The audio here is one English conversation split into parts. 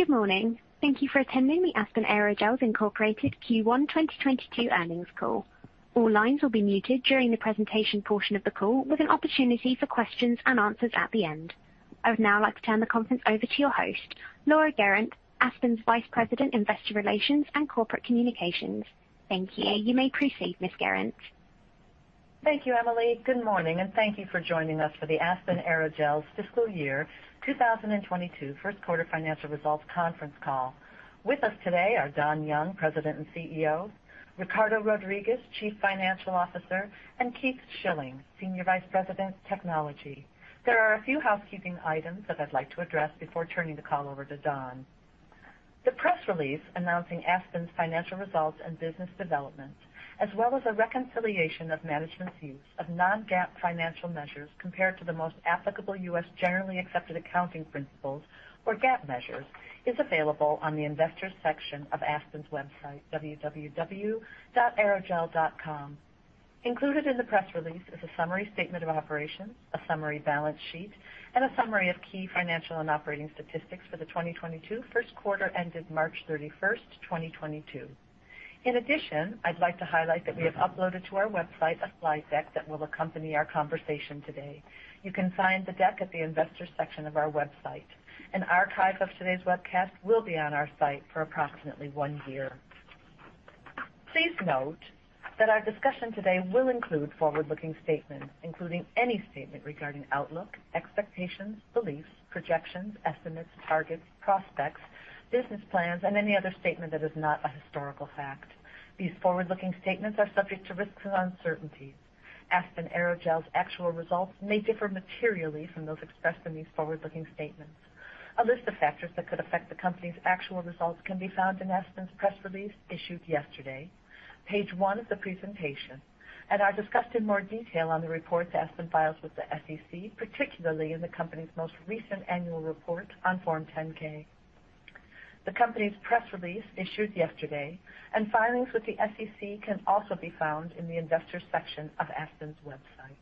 Good morning. Thank you for attending the Aspen Aerogels, Inc. Q1 2022 earnings call. All lines will be muted during the presentation portion of the call with an opportunity for questions and answers at the end. I would now like to turn the conference over to your host, Laura Guerrant-Oiye, Aspen's Vice President, Investor Relations and Corporate Communications. Thank you. You may proceed, Ms. Guerrant-Oiye. Thank you, Emily. Good morning, and thank you for joining us for the Aspen Aerogels Fiscal Year 2022 first quarter financial results conference call. With us today are Don Young, President and CEO, Ricardo Rodriguez, Chief Financial Officer, and Keith Schilling, Senior Vice President, Technology. There are a few housekeeping items that I'd like to address before turning the call over to Don. The press release announcing Aspen's financial results and business development, as well as a reconciliation of management's use of non-GAAP financial measures compared to the most applicable U.S. generally accepted accounting principles or GAAP measures, is available on the Investors section of Aspen's website, www.aerogel.com. Included in the press release is a summary statement of operations, a summary balance sheet, and a summary of key financial and operating statistics for the 2022 first quarter ended March 31, 2022. In addition, I'd like to highlight that we have uploaded to our website a slide deck that will accompany our conversation today. You can find the deck at the Investors section of our website. An archive of today's webcast will be on our site for approximately one year. Please note that our discussion today will include forward-looking statements, including any statement regarding outlook, expectations, beliefs, projections, estimates, targets, prospects, business plans, and any other statement that is not a historical fact. These forward-looking statements are subject to risks and uncertainties. Aspen Aerogels' actual results may differ materially from those expressed in these forward-looking statements. A list of factors that could affect the company's actual results can be found in Aspen's press release issued yesterday, page 1 of the presentation, and are discussed in more detail on the reports Aspen files with the SEC, particularly in the company's most recent annual report on Form 10-K. The company's press release issued yesterday and filings with the SEC can also be found in the Investors section of Aspen's website.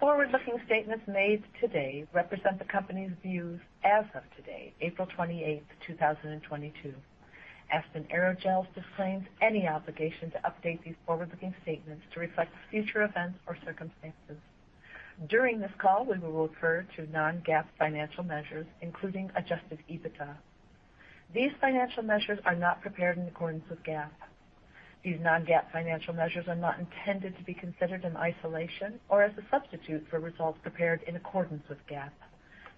Forward-looking statements made today represent the company's views as of today, April twenty-eighth, two thousand and twenty-two. Aspen Aerogels disclaims any obligation to update these forward-looking statements to reflect future events or circumstances. During this call, we will refer to non-GAAP financial measures, including adjusted EBITDA. These financial measures are not prepared in accordance with GAAP. These non-GAAP financial measures are not intended to be considered in isolation or as a substitute for results prepared in accordance with GAAP.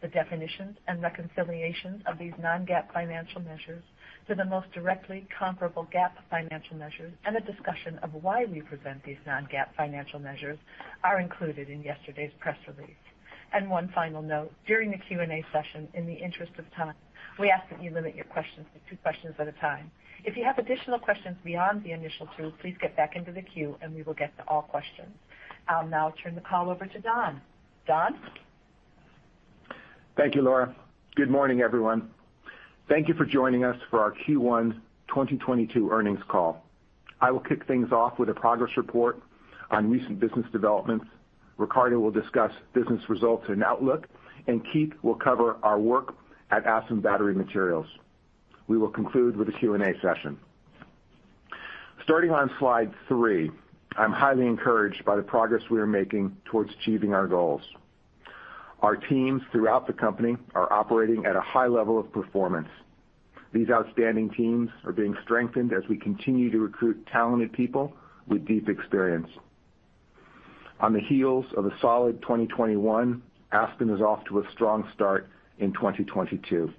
The definitions and reconciliations of these non-GAAP financial measures to the most directly comparable GAAP financial measures and a discussion of why we present these non-GAAP financial measures are included in yesterday's press release. One final note, during the Q&A session, in the interest of time, we ask that you limit your questions to two questions at a time. If you have additional questions beyond the initial two, please get back into the queue, and we will get to all questions. I'll now turn the call over to Don. Don? Thank you, Laura. Good morning, everyone. Thank you for joining us for our Q1 2022 earnings call. I will kick things off with a progress report on recent business developments. Ricardo will discuss business results and outlook, and Keith will cover our work at Aspen Battery Materials. We will conclude with a Q&A session. Starting on slide 3, I'm highly encouraged by the progress we are making towards achieving our goals. Our teams throughout the company are operating at a high level of performance. These outstanding teams are being strengthened as we continue to recruit talented people with deep experience. On the heels of a solid 2021, Aspen is off to a strong start in 2022.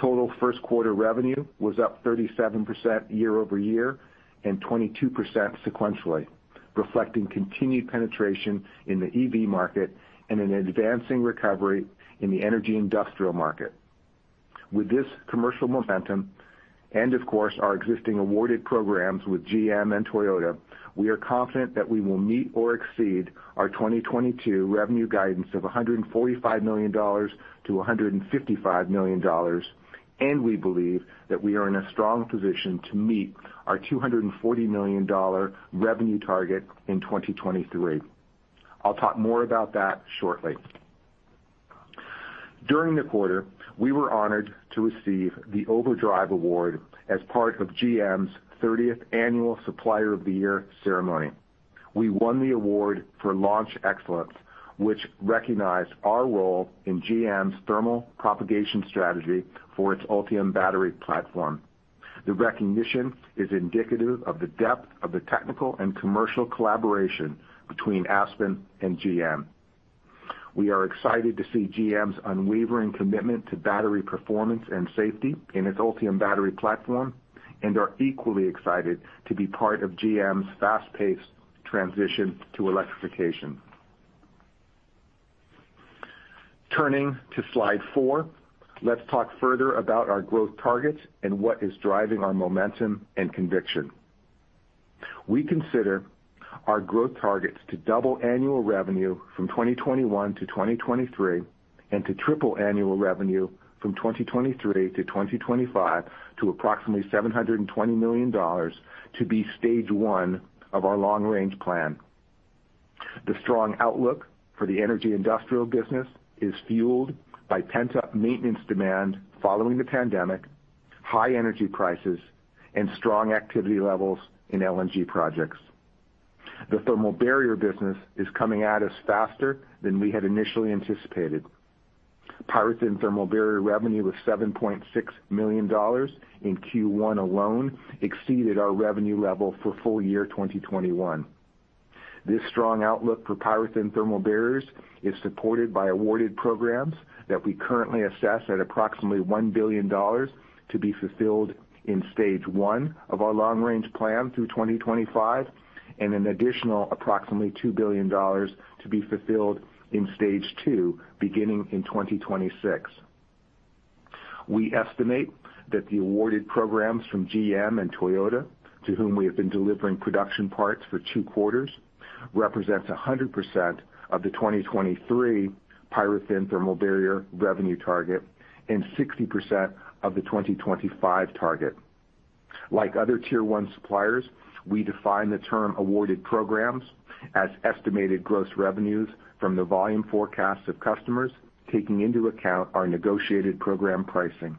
Total first quarter revenue was up 37% year-over-year and 22% sequentially, reflecting continued penetration in the EV market and an advancing recovery in the energy and industrial market. With this commercial momentum and of course, our existing awarded programs with GM and Toyota, we are confident that we will meet or exceed our 2022 revenue guidance of $145 million-$155 million, and we believe that we are in a strong position to meet our $240 million revenue target in 2023. I'll talk more about that shortly. During the quarter, we were honored to receive the Overdrive Award as part of GM's 30th annual Supplier of the Year ceremony. We won the award for Launch Excellence, which recognized our role in GM's thermal propagation strategy for its Ultium battery platform. The recognition is indicative of the depth of the technical and commercial collaboration between Aspen and GM. We are excited to see GM's unwavering commitment to battery performance and safety in its Ultium battery platform and are equally excited to be part of GM's fast-paced transition to electrification. Turning to slide four, let's talk further about our growth targets and what is driving our momentum and conviction. We consider our growth targets to double annual revenue from 2021 to 2023 and to triple annual revenue from 2023 to 2025 to approximately $720 million to be stage one of our long-range plan. The strong outlook for the energy industrial business is fueled by pent-up maintenance demand following the pandemic, high energy prices, and strong activity levels in LNG projects. The thermal barrier business is coming at us faster than we had initially anticipated. PyroThin thermal barrier revenue was $7.6 million in Q1 alone, exceeded our revenue level for full year 2021. This strong outlook for PyroThin thermal barriers is supported by awarded programs that we currently assess at approximately $1 billion to be fulfilled in stage one of our long-range plan through 2025, and an additional approximately $2 billion to be fulfilled in stage two, beginning in 2026. We estimate that the awarded programs from GM and Toyota, to whom we have been delivering production parts for two quarters, represents 100% of the 2023 PyroThin thermal barrier revenue target and 60% of the 2025 target. Like other tier one suppliers, we define the term awarded programs as estimated gross revenues from the volume forecasts of customers, taking into account our negotiated program pricing.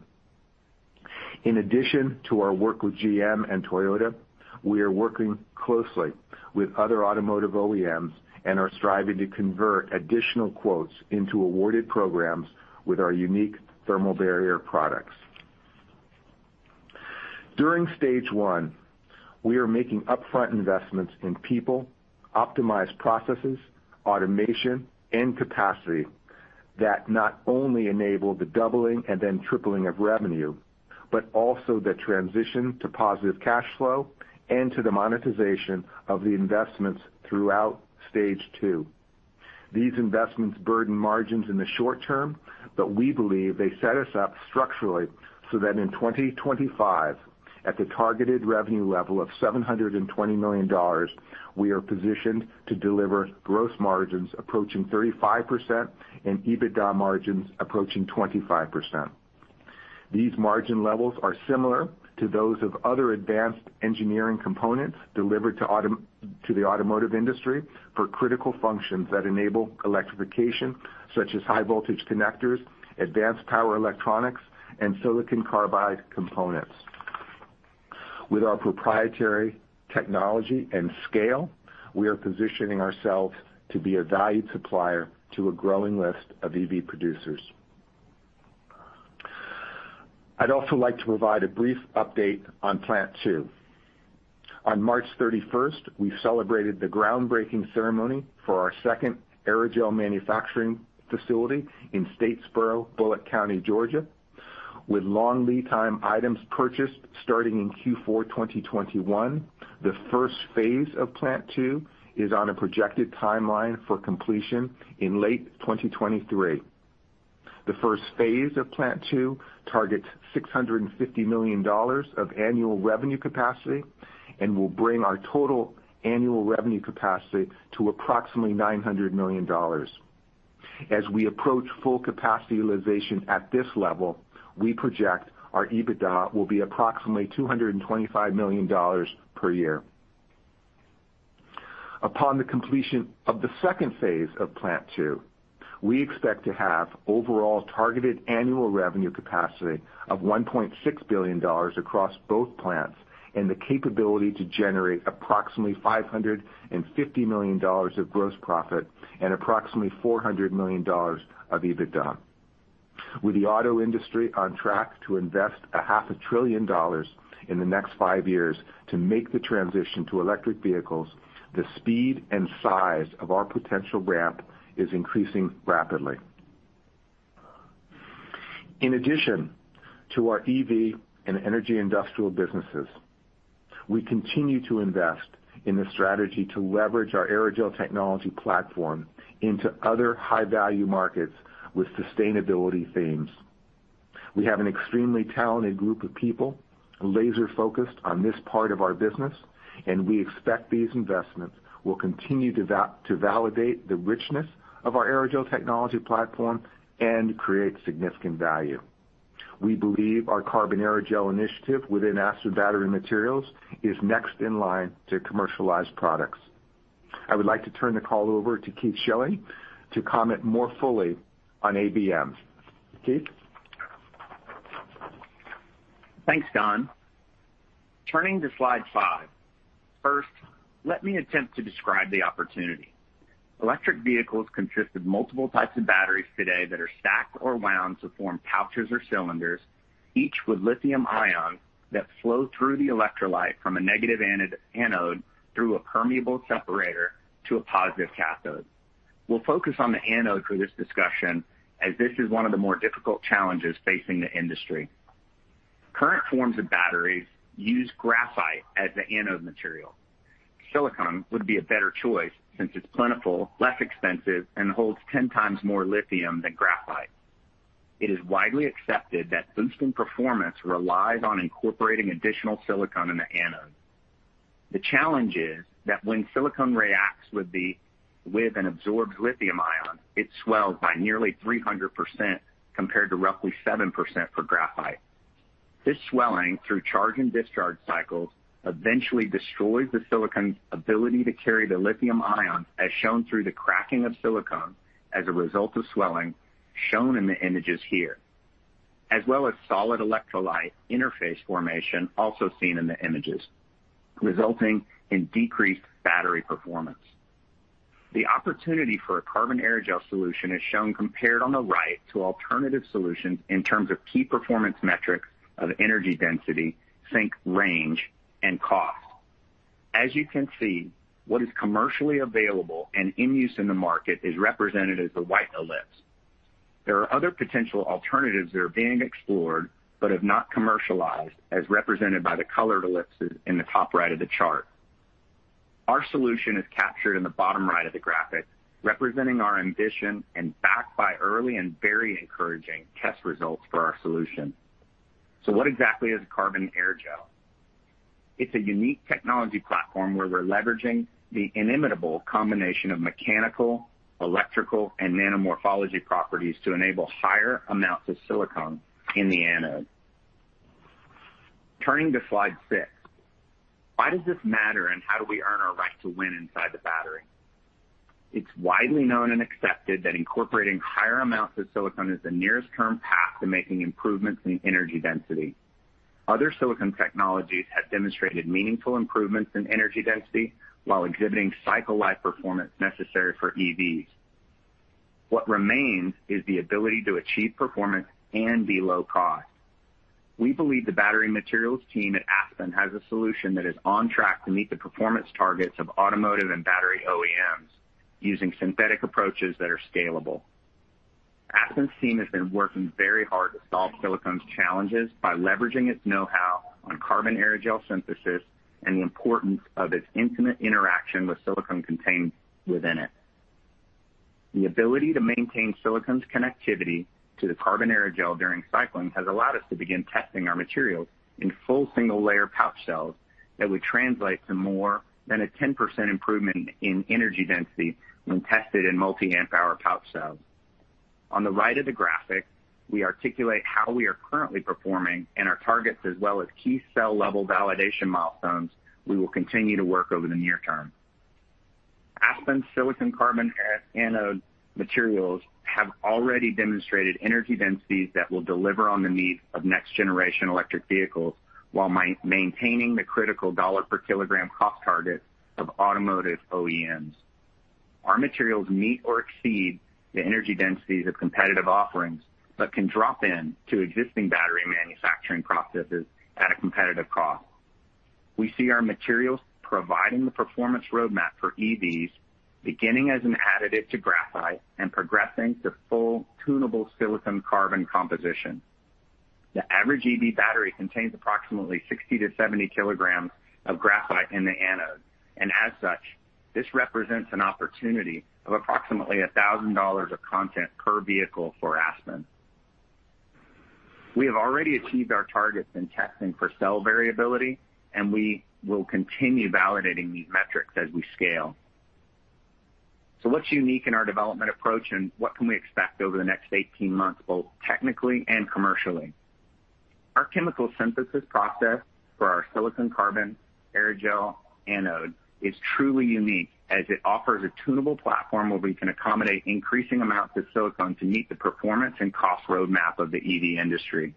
In addition to our work with GM and Toyota, we are working closely with other automotive OEMs and are striving to convert additional quotes into awarded programs with our unique thermal barrier products. During stage one, we are making upfront investments in people, optimized processes, automation, and capacity that not only enable the doubling and then tripling of revenue, but also the transition to positive cash flow and to the monetization of the investments throughout stage two. These investments burden margins in the short term, but we believe they set us up structurally so that in 2025, at the targeted revenue level of $720 million, we are positioned to deliver gross margins approaching 35% and EBITDA margins approaching 25%. These margin levels are similar to those of other advanced engineering components delivered to the automotive industry for critical functions that enable electrification, such as high voltage connectors, advanced power electronics, and silicon carbide components. With our proprietary technology and scale, we are positioning ourselves to be a valued supplier to a growing list of EV producers. I'd also like to provide a brief update on Plant Two. On March 31st, we celebrated the groundbreaking ceremony for our second aerogel manufacturing facility in Statesboro, Bulloch County, Georgia. With long lead time items purchased starting in Q4 2021, the first phase of Plant Two is on a projected timeline for completion in late 2023. The first phase of Plant Two targets $650 million of annual revenue capacity and will bring our total annual revenue capacity to approximately $900 million. As we approach full capacity utilization at this level, we project our EBITDA will be approximately $225 million per year. Upon the completion of the second phase of Plant Two, we expect to have overall targeted annual revenue capacity of $1.6 billion across both plants and the capability to generate approximately $550 million of gross profit and approximately $400 million of EBITDA. With the auto industry on track to invest $500 billion in the next five years to make the transition to electric vehicles, the speed and size of our potential ramp is increasing rapidly. In addition to our EV and energy industrial businesses, we continue to invest in the strategy to leverage our aerogel technology platform into other high-value markets with sustainability themes. We have an extremely talented group of people laser-focused on this part of our business, and we expect these investments will continue to validate the richness of our aerogel technology platform and create significant value. We believe our carbon aerogel initiative within Aspen Battery Materials is next in line to commercialize products. I would like to turn the call over to Keith Schilling to comment more fully on ABM. Keith? Thanks, Don. Turning to slide five. First, let me attempt to describe the opportunity. Electric vehicles consist of multiple types of batteries today that are stacked or wound to form pouches or cylinders, each with lithium ions that flow through the electrolyte from a negative anode through a permeable separator to a positive cathode. We'll focus on the anode for this discussion, as this is one of the more difficult challenges facing the industry. Current forms of batteries use graphite as the anode material. Silicon would be a better choice since it's plentiful, less expensive, and holds 10 times more lithium than graphite. It is widely accepted that boosting performance relies on incorporating additional silicon in the anode. The challenge is that when silicon reacts with an absorbed lithium ion, it swells by nearly 300% compared to roughly 7% for graphite. This swelling through charge and discharge cycles eventually destroys the silicon's ability to carry the lithium ion, as shown through the cracking of silicon as a result of swelling, shown in the images here, as well as solid electrolyte interphase formation, also seen in the images, resulting in decreased battery performance. The opportunity for a carbon aerogel solution is shown compared on the right to alternative solutions in terms of key performance metrics of energy density, sync range, and cost. As you can see, what is commercially available and in use in the market is represented as the white ellipse. There are other potential alternatives that are being explored but have not commercialized, as represented by the colored ellipses in the top right of the chart. Our solution is captured in the bottom right of the graphic, representing our ambition and backed by early and very encouraging test results for our solution. What exactly is carbon aerogel? It's a unique technology platform where we're leveraging the inimitable combination of mechanical, electrical, and nanomorphology properties to enable higher amounts of silicon in the anode. Turning to slide 6, why does this matter and how do we earn our right to win inside the battery? It's widely known and accepted that incorporating higher amounts of silicon is the nearest term path to making improvements in energy density. Other silicon technologies have demonstrated meaningful improvements in energy density while exhibiting cycle life performance necessary for EVs. What remains is the ability to achieve performance and be low cost. We believe the battery materials team at Aspen has a solution that is on track to meet the performance targets of automotive and battery OEMs using synthetic approaches that are scalable. Aspen's team has been working very hard to solve silicon's challenges by leveraging its know-how on carbon aerogel synthesis and the importance of its intimate interaction with silicon contained within it. The ability to maintain silicon's connectivity to the carbon aerogel during cycling has allowed us to begin testing our materials in full single-layer pouch cells that would translate to more than 10% improvement in energy density when tested in multi amp hour pouch cells. On the right of the graphic, we articulate how we are currently performing and our targets as well as key cell level validation milestones we will continue to work over the near term. Aspen silicon carbon anode materials have already demonstrated energy densities that will deliver on the needs of next generation electric vehicles while maintaining the critical dollar per kilogram cost targets of automotive OEMs. Our materials meet or exceed the energy densities of competitive offerings, but can drop in to existing battery manufacturing processes at a competitive cost. We see our materials providing the performance roadmap for EVs, beginning as an additive to graphite and progressing to full tunable silicon carbon composition. The average EV battery contains approximately 60-70 kilograms of graphite in the anode, and as such, this represents an opportunity of approximately $1,000 of content per vehicle for Aspen. We have already achieved our targets in testing for cell variability, and we will continue validating these metrics as we scale. What's unique in our development approach, and what can we expect over the next 18 months, both technically and commercially? Our chemical synthesis process for our silicon carbon aerogel anode is truly unique as it offers a tunable platform where we can accommodate increasing amounts of silicon to meet the performance and cost roadmap of the EV industry.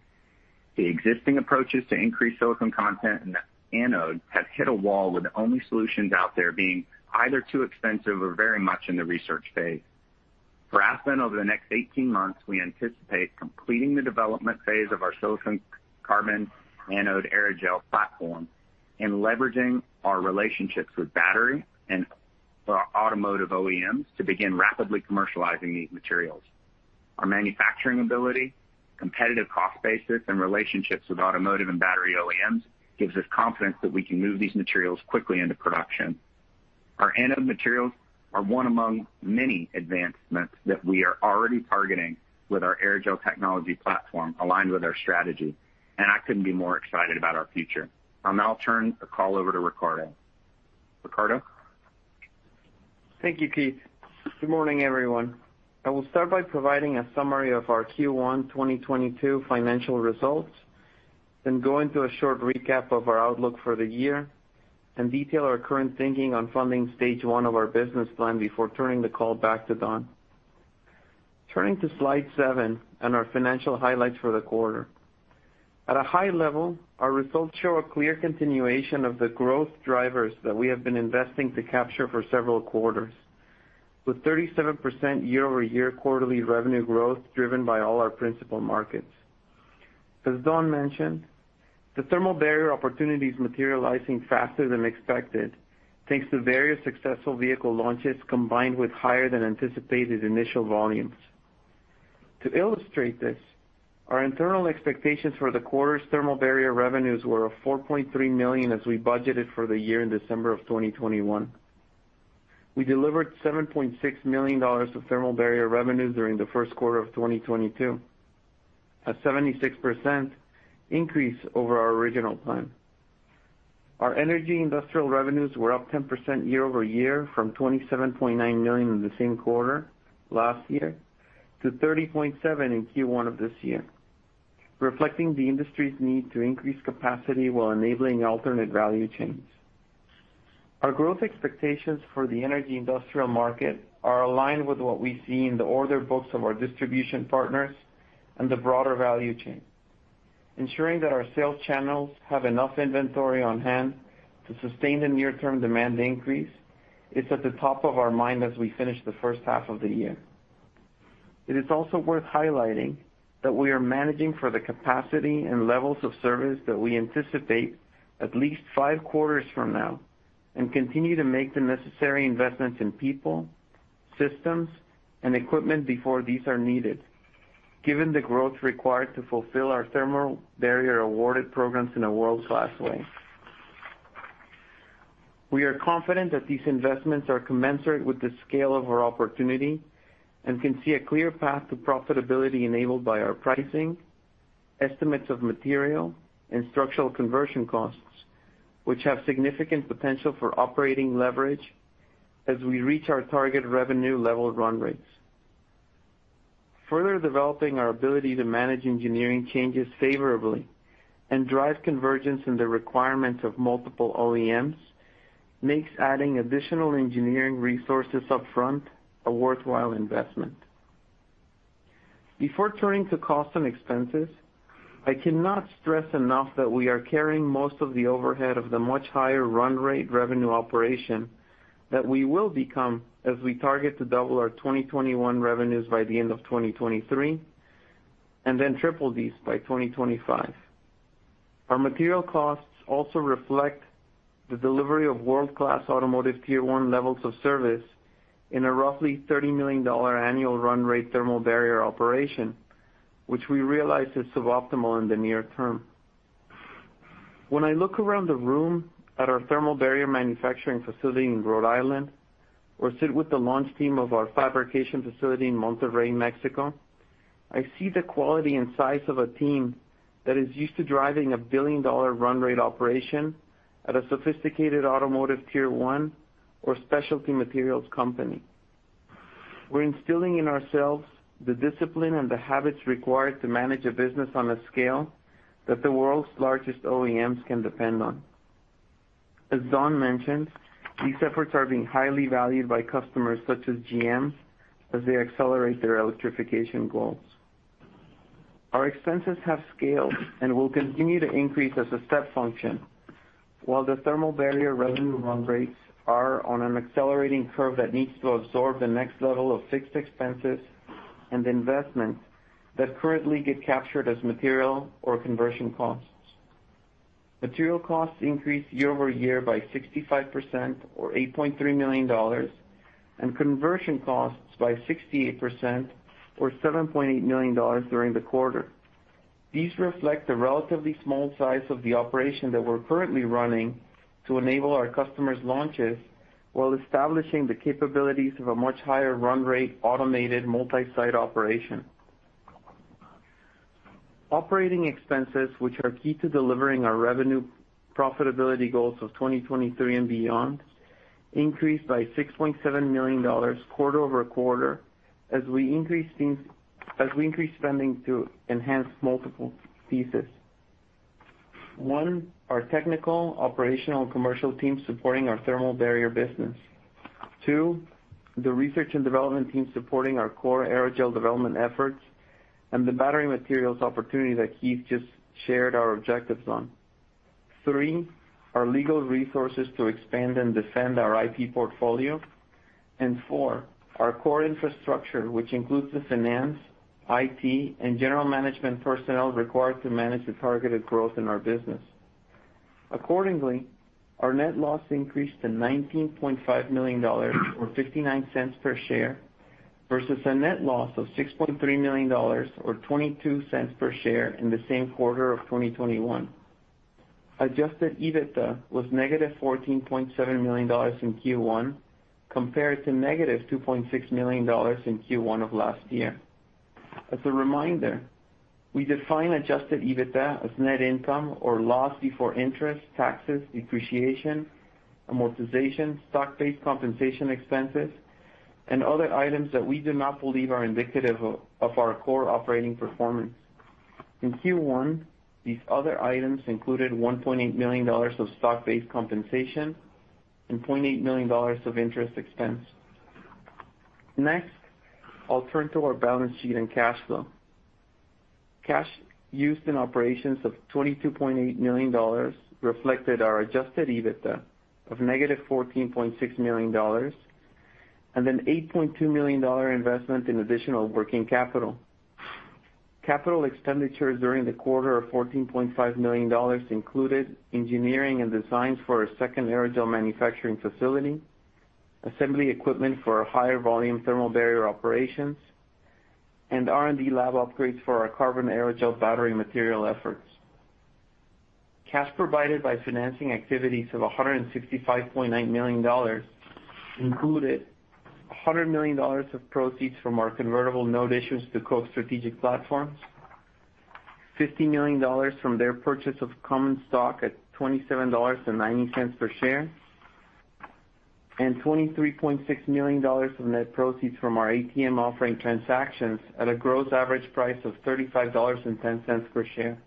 The existing approaches to increase silicon content in the anode have hit a wall, with the only solutions out there being either too expensive or very much in the research phase. For Aspen, over the next 18 months, we anticipate completing the development phase of our silicon carbon aerogel anode platform and leveraging our relationships with battery and auto OEMs to begin rapidly commercializing these materials. Our manufacturing ability, competitive cost basis, and relationships with automotive and battery OEMs gives us confidence that we can move these materials quickly into production. Our anode materials are one among many advancements that we are already targeting with our aerogel technology platform aligned with our strategy, and I couldn't be more excited about our future. I'll now turn the call over to Ricardo. Ricardo? Thank you, Keith. Good morning, everyone. I will start by providing a summary of our Q1 2022 financial results, then go into a short recap of our outlook for the year, and detail our current thinking on funding stage one of our business plan before turning the call back to Don. Turning to slide 7 and our financial highlights for the quarter. At a high level, our results show a clear continuation of the growth drivers that we have been investing to capture for several quarters, with 37% year-over-year quarterly revenue growth driven by all our principal markets. As Don mentioned, the thermal barrier opportunity is materializing faster than expected, thanks to various successful vehicle launches combined with higher than anticipated initial volumes. To illustrate this, our internal expectations for the quarter's thermal barrier revenues were $4.3 million as we budgeted for the year in December of 2021. We delivered $7.6 million of thermal barrier revenues during the first quarter of 2022, a 76% increase over our original plan. Our energy industrial revenues were up 10% year over year from $27.9 million in the same quarter last year to $30.7 million in Q1 of this year, reflecting the industry's need to increase capacity while enabling alternate value chains. Our growth expectations for the energy industrial market are aligned with what we see in the order books of our distribution partners and the broader value chain. Ensuring that our sales channels have enough inventory on hand to sustain the near-term demand increase is at the top of our mind as we finish the first half of the year. It is also worth highlighting that we are managing for the capacity and levels of service that we anticipate at least five quarters from now and continue to make the necessary investments in people, systems, and equipment before these are needed, given the growth required to fulfill our thermal barrier awarded programs in a world-class way. We are confident that these investments are commensurate with the scale of our opportunity and can see a clear path to profitability enabled by our pricing, estimates of material, and structural conversion costs, which have significant potential for operating leverage as we reach our target revenue level run rates. Further developing our ability to manage engineering changes favorably and drive convergence in the requirements of multiple OEMs makes adding additional engineering resources upfront a worthwhile investment. Before turning to costs and expenses, I cannot stress enough that we are carrying most of the overhead of the much higher run rate revenue operation that we will become as we target to double our 2021 revenues by the end of 2023, and then triple these by 2025. Our material costs also reflect the delivery of world-class automotive tier one levels of service in a roughly $30 million annual run rate thermal barrier operation, which we realize is suboptimal in the near term. When I look around the room at our thermal barrier manufacturing facility in Rhode Island or sit with the launch team of our fabrication facility in Monterrey, Mexico, I see the quality and size of a team that is used to driving a billion-dollar run rate operation at a sophisticated automotive tier one or specialty materials company. We're instilling in ourselves the discipline and the habits required to manage a business on a scale that the world's largest OEMs can depend on. As Don mentioned, these efforts are being highly valued by customers such as GM as they accelerate their electrification goals. Our expenses have scaled and will continue to increase as a step function, while the thermal barrier revenue run rates are on an accelerating curve that needs to absorb the next level of fixed expenses and investments that currently get captured as material or conversion costs. Material costs increased year-over-year by 65% or $8.3 million, and conversion costs by 68% or $7.8 million during the quarter. These reflect the relatively small size of the operation that we're currently running to enable our customers' launches while establishing the capabilities of a much higher run rate automated multi-site operation. Operating expenses, which are key to delivering our revenue profitability goals of 2023 and beyond, increased by $6.7 million quarter-over-quarter as we increase spending to enhance multiple pieces. One, our technical, operational, commercial teams supporting our thermal barrier business. Two, the research and development team supporting our core aerogel development efforts and the battery materials opportunity that Keith just shared our objectives on. Three, our legal resources to expand and defend our IP portfolio. Four, our core infrastructure, which includes the finance, IT, and general management personnel required to manage the targeted growth in our business. Accordingly, our net loss increased to $19.5 million or $0.59 per share, versus a net loss of $6.3 million or $0.22 per share in the same quarter of 2021. Adjusted EBITDA was negative $14.7 million in Q1 compared to negative $2.6 million in Q1 of last year. As a reminder, we define adjusted EBITDA as net income or loss before interest, taxes, depreciation, amortization, stock-based compensation expenses, and other items that we do not believe are indicative of our core operating performance. In Q1, these other items included $1.8 million of stock-based compensation and $0.8 million of interest expense. Next, I'll turn to our balance sheet and cash flow. Cash used in operations of $22.8 million reflected our adjusted EBITDA of negative $14.6 million and an $8.2 million investment in additional working capital. Capital expenditures during the quarter of $14.5 million included engineering and designs for a second aerogel manufacturing facility, assembly equipment for higher volume thermal barrier operations, and R&D lab upgrades for our carbon aerogel battery material efforts. Cash provided by financing activities of $165.9 million included $100 million of proceeds from our convertible note issues to Koch Strategic Platforms. $50 million from their purchase of common stock at $27.90 per share, and $23.6 million from net proceeds from our ATM offering transactions at a gross average price of $35.10 per share.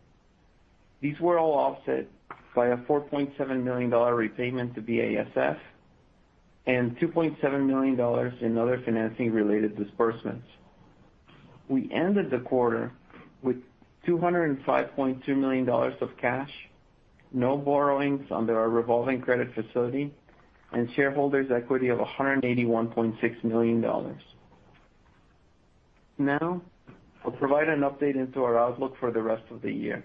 These were all offset by a $4.7 million repayment to BASF and $2.7 million in other financing related disbursements. We ended the quarter with $205.2 million of cash, no borrowings under our revolving credit facility, and shareholders' equity of $181.6 million. Now I'll provide an update into our outlook for the rest of the year.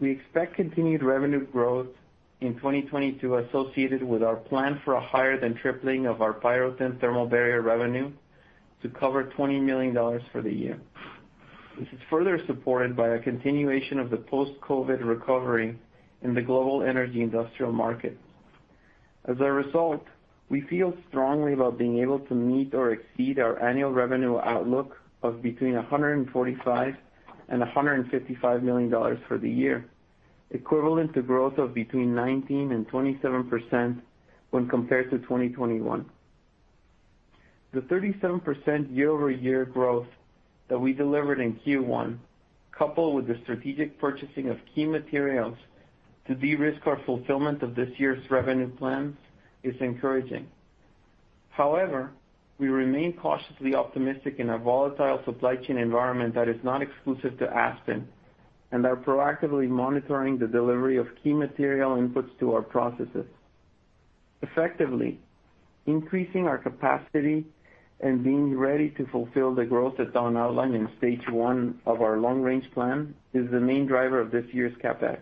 We expect continued revenue growth in 2022 associated with our plan for a higher than tripling of our PyroThin thermal barrier revenue to $20 million for the year. This is further supported by a continuation of the post-COVID recovery in the global energy industrial market. As a result, we feel strongly about being able to meet or exceed our annual revenue outlook of between $145 million and $155 million for the year, equivalent to growth of between 19% and 27% when compared to 2021. The 37% year-over-year growth that we delivered in Q1, coupled with the strategic purchasing of key materials to de-risk our fulfillment of this year's revenue plans, is encouraging. However, we remain cautiously optimistic in our volatile supply chain environment that is not exclusive to Aspen and are proactively monitoring the delivery of key material inputs to our processes. Effectively, increasing our capacity and being ready to fulfill the growth that Don outlined in stage one of our long range plan is the main driver of this year's CapEx.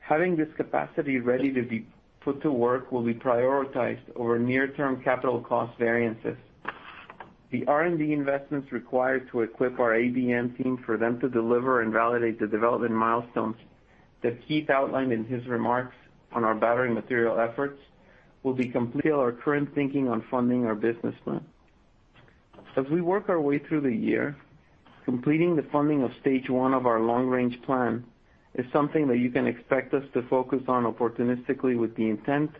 Having this capacity ready to be put to work will be prioritized over near term capital cost variances. The R&D investments required to equip our ABM team for them to deliver and validate the development milestones that Keith outlined in his remarks on our battery material efforts will complete our current thinking on funding our business plan. As we work our way through the year, completing the funding of stage one of our long range plan is something that you can expect us to focus on opportunistically with the intent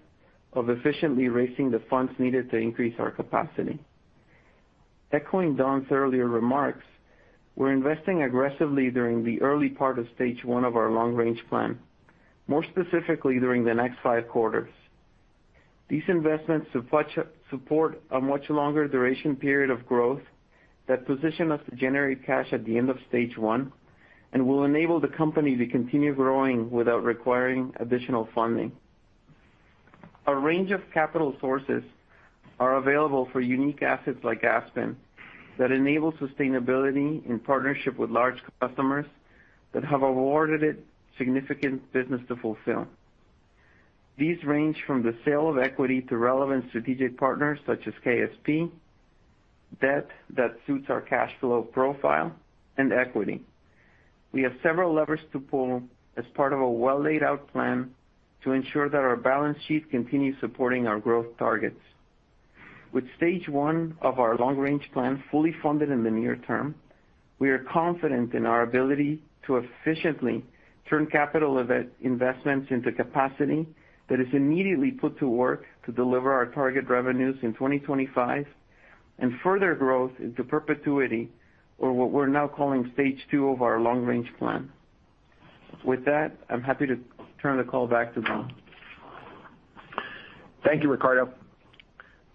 of efficiently raising the funds needed to increase our capacity. Echoing Don's earlier remarks, we're investing aggressively during the early part of stage one of our long range plan, more specifically during the next five quarters. These investments support a much longer duration period of growth that position us to generate cash at the end of stage one and will enable the company to continue growing without requiring additional funding. A range of capital sources are available for unique assets like Aspen that enable sustainability in partnership with large customers that have awarded it significant business to fulfill. These range from the sale of equity to relevant strategic partners such as KSP, debt that suits our cash flow profile and equity. We have several levers to pull as part of a well laid out plan to ensure that our balance sheet continues supporting our growth targets. With stage one of our long range plan fully funded in the near term, we are confident in our ability to efficiently turn capital investments into capacity that is immediately put to work to deliver our target revenues in 2025 and further growth into perpetuity, or what we're now calling stage two of our long range plan. With that, I'm happy to turn the call back to Don. Thank you, Ricardo.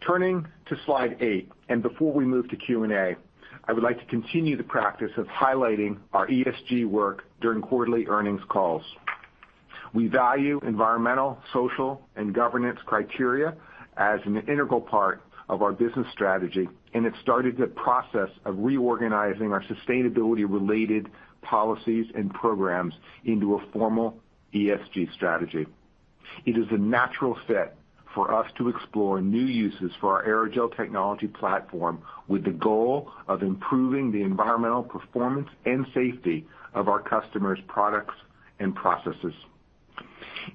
Turning to slide 8, before we move to Q&A, I would like to continue the practice of highlighting our ESG work during quarterly earnings calls. We value environmental, social, and governance criteria as an integral part of our business strategy, and have started the process of reorganizing our sustainability-related policies and programs into a formal ESG strategy. It is a natural fit for us to explore new uses for our aerogel technology platform with the goal of improving the environmental performance and safety of our customers' products and processes.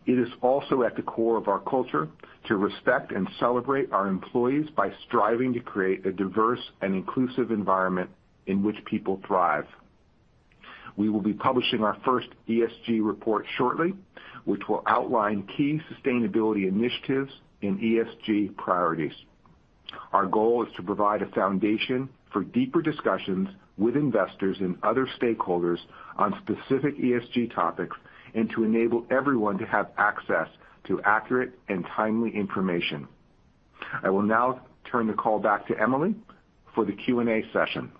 It is also at the core of our culture to respect and celebrate our employees by striving to create a diverse and inclusive environment in which people thrive. We will be publishing our first ESG report shortly, which will outline key sustainability initiatives and ESG priorities. Our goal is to provide a foundation for deeper discussions with investors and other stakeholders on specific ESG topics and to enable everyone to have access to accurate and timely information. I will now turn the call back to Emily for the Q&A session.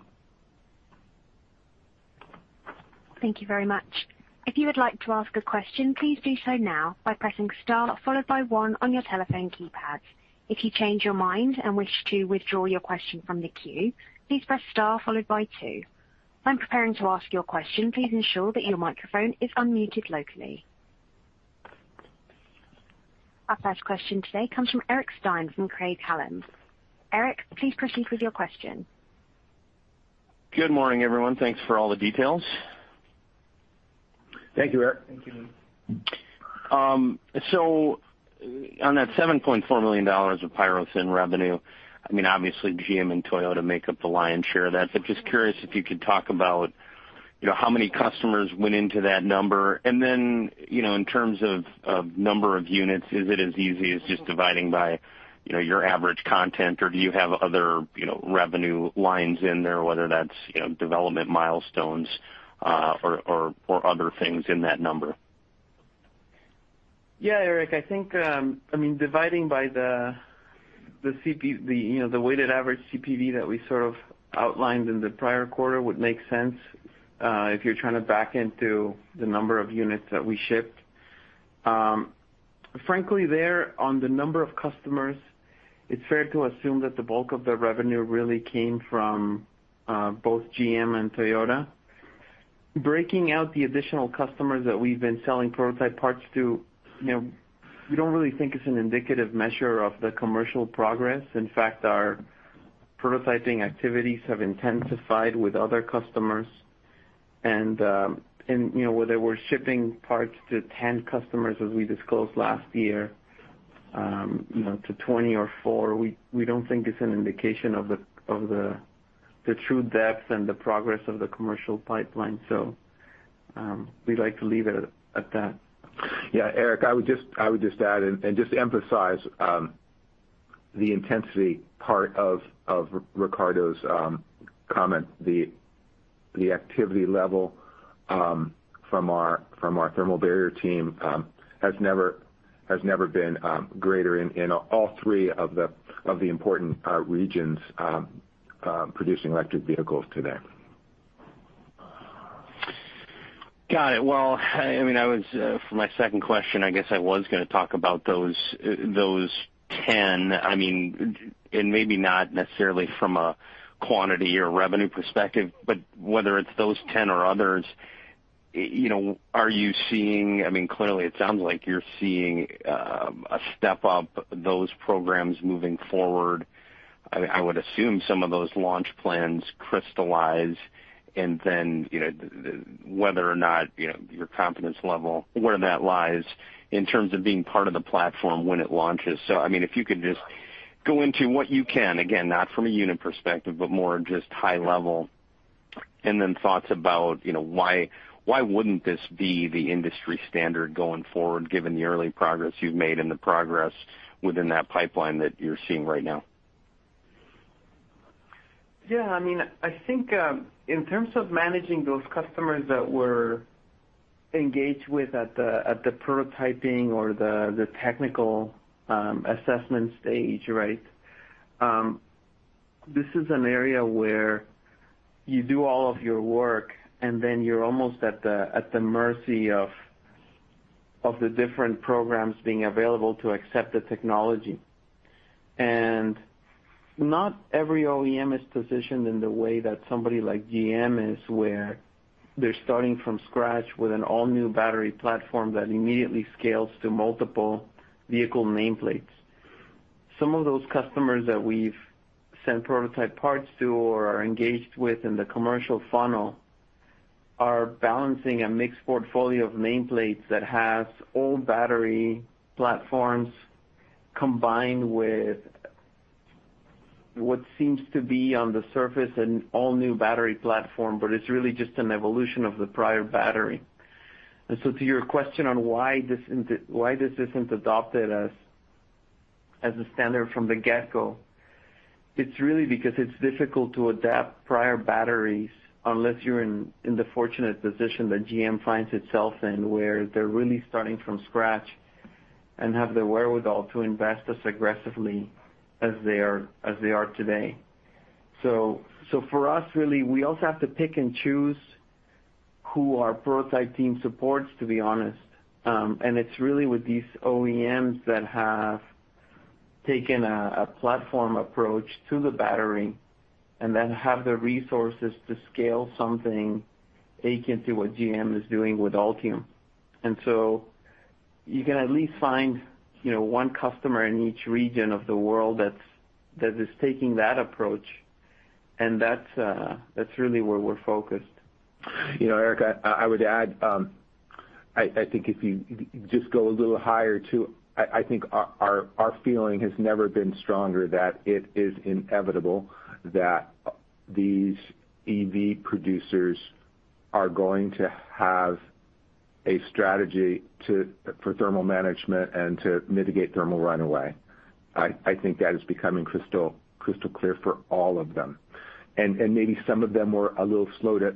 Thank you very much. If you would like to ask a question, please do so now by pressing star followed by one on your telephone keypad. If you change your mind and wish to withdraw your question from the queue, please press star followed by two. When preparing to ask your question, please ensure that your microphone is unmuted locally. Our first question today comes from Eric Stine from Craig-Hallum. Eric, please proceed with your question. Good morning, everyone. Thanks for all the details. Thank you, Eric. Thank you. On that $7.4 million of PyroThin revenue, I mean, obviously GM and Toyota make up the lion's share of that. Just curious if you could talk about, you know, how many customers went into that number. Then, you know, in terms of number of units, is it as easy as just dividing by, you know, your average content? Or do you have other, you know, revenue lines in there, whether that's, you know, development milestones, or other things in that number? Yeah, Eric, I think, I mean, dividing by the weighted average CPV that we sort of outlined in the prior quarter would make sense, if you're trying to back into the number of units that we shipped. Frankly, on the number of customers, it's fair to assume that the bulk of the revenue really came from both GM and Toyota. Breaking out the additional customers that we've been selling prototype parts to, you know, we don't really think it's an indicative measure of the commercial progress. In fact, our prototyping activities have intensified with other customers. You know, whether we're shipping parts to 10 customers, as we disclosed last year, you know, to 20 or 4, we don't think it's an indication of the true depth and the progress of the commercial pipeline. We'd like to leave it at that. Yeah, Eric, I would just add and just emphasize the intensity part of Ricardo's comment. The activity level from our thermal barrier team has never been greater in all three of the important regions producing electric vehicles today. Got it. Well, I mean, for my second question, I guess I was gonna talk about those 10. I mean, maybe not necessarily from a quantity or revenue perspective, but whether it's those 10 or others, you know, are you seeing? I mean, clearly it sounds like you're seeing a step up those programs moving forward. I would assume some of those launch plans crystallize and then, you know, whether or not, you know, your confidence level, where that lies in terms of being part of the platform when it launches. I mean, if you could just go into what you can, again, not from a unit perspective, but more just high level. Thoughts about, you know, why wouldn't this be the industry standard going forward, given the early progress you've made and the progress within that pipeline that you're seeing right now? Yeah, I mean, I think in terms of managing those customers that we're engaged with at the prototyping or the technical assessment stage, right? This is an area where you do all of your work and then you're almost at the mercy of the different programs being available to accept the technology. Not every OEM is positioned in the way that somebody like GM is, where they're starting from scratch with an all-new battery platform that immediately scales to multiple vehicle nameplates. Some of those customers that we've sent prototype parts to or are engaged with in the commercial funnel are balancing a mixed portfolio of nameplates that has old battery platforms combined with what seems to be on the surface an all-new battery platform, but it's really just an evolution of the prior battery. To your question on why this isn't adopted as a standard from the get-go, it's really because it's difficult to adapt prior batteries unless you're in the fortunate position that GM finds itself in, where they're really starting from scratch and have the wherewithal to invest as aggressively as they are today. For us, really, we also have to pick and choose who our prototype team supports, to be honest. It's really with these OEMs that have taken a platform approach to the battery and then have the resources to scale something akin to what GM is doing with Ultium. You can at least find, you know, one customer in each region of the world that is taking that approach. That's really where we're focused. You know, Eric, I would add, I think if you just go a little higher, too, I think our feeling has never been stronger that it is inevitable that these EV producers are going to have a strategy for thermal management and to mitigate thermal runaway. I think that is becoming crystal clear for all of them. Maybe some of them were a little slow to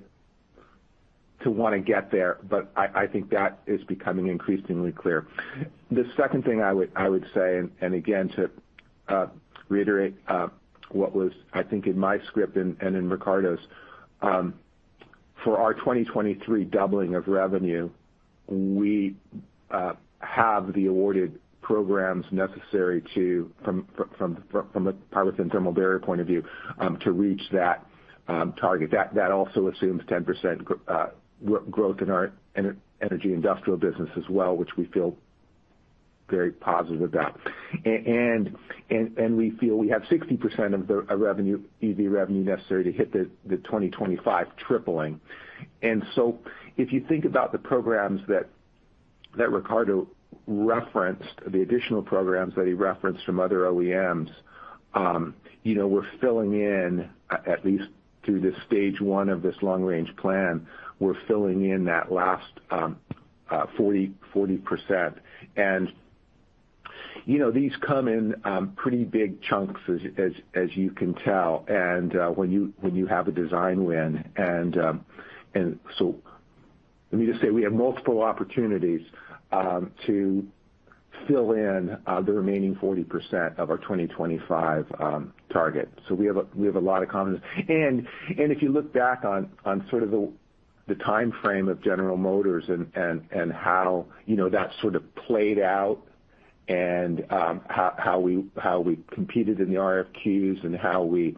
wanna get there, but I think that is becoming increasingly clear. The second thing I would say, again, to reiterate, what was I think in my script and in Ricardo's, for our 2023 doubling of revenue, we have the awarded programs necessary from a PyroThin thermal barrier point of view, to reach that target. That also assumes 10% growth in our energy industrial business as well, which we feel very positive about. We feel we have 60% of the EV revenue necessary to hit the 2025 tripling. If you think about the programs that Ricardo referenced, the additional programs that he referenced from other OEMs, you know, we're filling in at least through the stage one of this long-range plan. We're filling in that last 40%. You know, these come in pretty big chunks as you can tell. When you have a design win, and so let me just say we have multiple opportunities to fill in the remaining 40% of our 2025 target. We have a lot of confidence. If you look back on sort of the timeframe of General Motors and how, you know, that sort of played out and how we competed in the RFQs and how we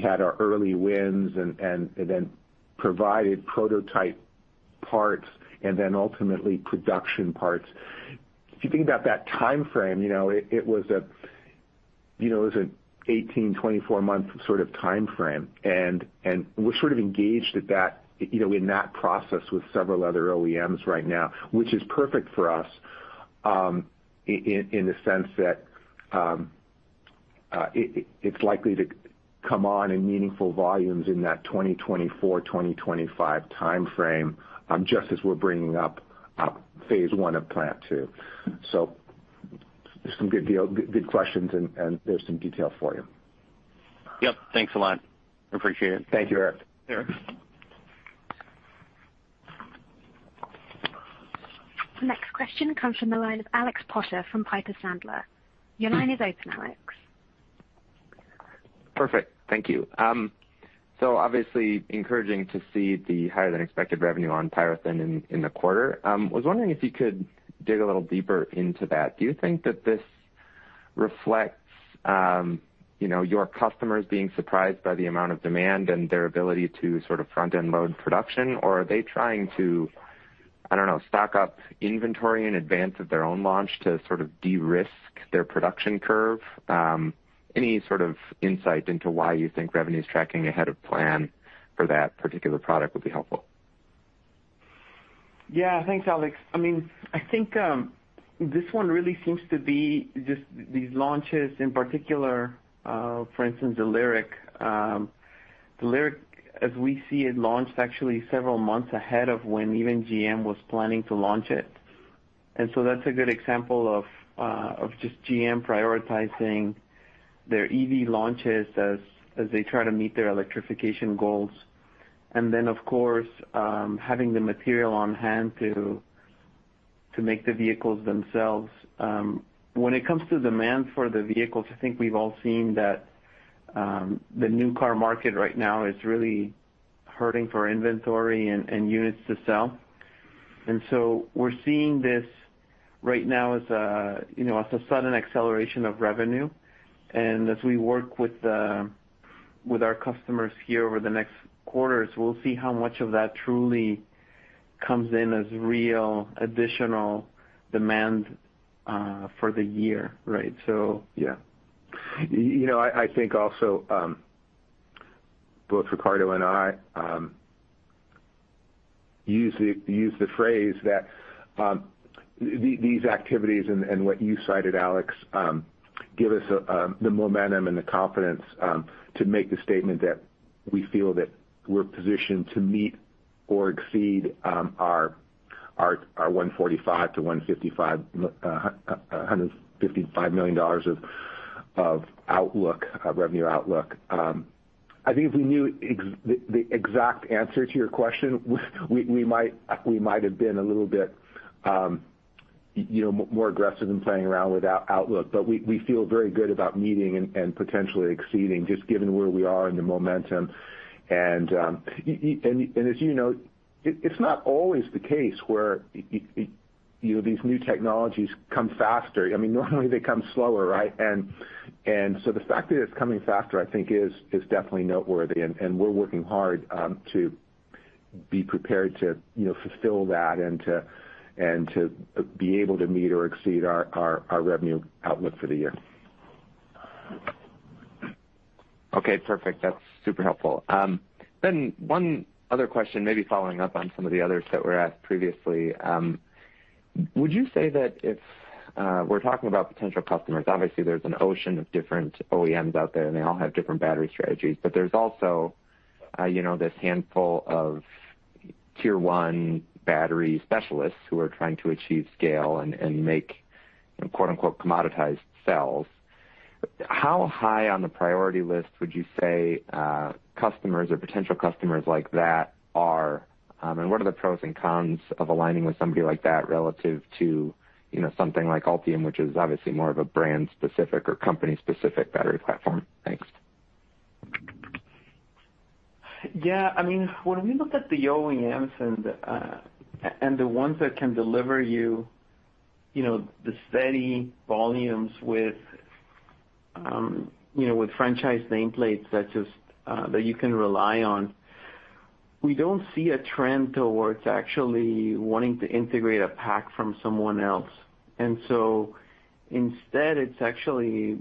had our early wins and then provided prototype parts and then ultimately production parts. If you think about that timeframe, you know, it was an 18-24 month sort of timeframe, and we're sort of engaged in that process with several other OEMs right now, which is perfect for us, in the sense that it is likely to come on in meaningful volumes in that 2024, 2025 timeframe, just as we're bringing up phase one of plant two. Just some good questions, and there's some detail for you. Yep. Thanks a lot. I appreciate it. Thank you, Eric. Sure. The next question comes from the line of Alex Potter from Piper Sandler. Your line is open, Alex. Perfect. Thank you. Obviously encouraging to see the higher than expected revenue on PyroThin in the quarter. Was wondering if you could dig a little deeper into that. Do you think that this reflects, you know, your customers being surprised by the amount of demand and their ability to sort of front-end load production? Or are they trying to, I don't know, stock up inventory in advance of their own launch to sort of de-risk their production curve? Any sort of insight into why you think revenue's tracking ahead of plan for that particular product would be helpful. Yeah. Thanks, Alex. I mean, I think this one really seems to be just these launches in particular, for instance, the LYRIQ. The LYRIQ, as we see it, launched actually several months ahead of when even GM was planning to launch it. That's a good example of just GM prioritizing their EV launches as they try to meet their electrification goals. Of course, having the material on hand to make the vehicles themselves. When it comes to demand for the vehicles, I think we've all seen that the new car market right now is really hurting for inventory and units to sell. We're seeing this right now as a, you know, as a sudden acceleration of revenue. As we work with our customers here over the next quarters, we'll see how much of that truly comes in as real additional demand for the year. Right. Yeah. You know, I think also both Ricardo and I use the phrase that these activities and what you cited, Alex, give us the momentum and the confidence to make the statement that we feel that we're positioned to meet or exceed our $145 million-$155 million revenue outlook. I think if we knew the exact answer to your question, we might have been a little bit, you know, more aggressive in playing around with outlook. We feel very good about meeting and potentially exceeding just given where we are in the momentum. As you know, it's not always the case where, you know, these new technologies come faster. I mean, normally they come slower, right? So the fact that it's coming faster, I think is definitely noteworthy, and we're working hard to be prepared to, you know, fulfill that and to be able to meet or exceed our revenue outlook for the year. Okay. Perfect. That's super helpful. One other question, maybe following up on some of the others that were asked previously. Would you say that if we're talking about potential customers, obviously there's an ocean of different OEMs out there, and they all have different battery strategies. There's also, you know, this handful of tier one battery specialists who are trying to achieve scale and make quote unquote commoditized cells. How high on the priority list would you say customers or potential customers like that are? What are the pros and cons of aligning with somebody like that relative to, you know, something like Ultium, which is obviously more of a brand specific or company specific battery platform? Thanks. Yeah. I mean, when we look at the OEMs and the ones that can deliver you know, the steady volumes with. You know, with franchise nameplates that you can rely on, we don't see a trend towards actually wanting to integrate a pack from someone else. Instead, it's actually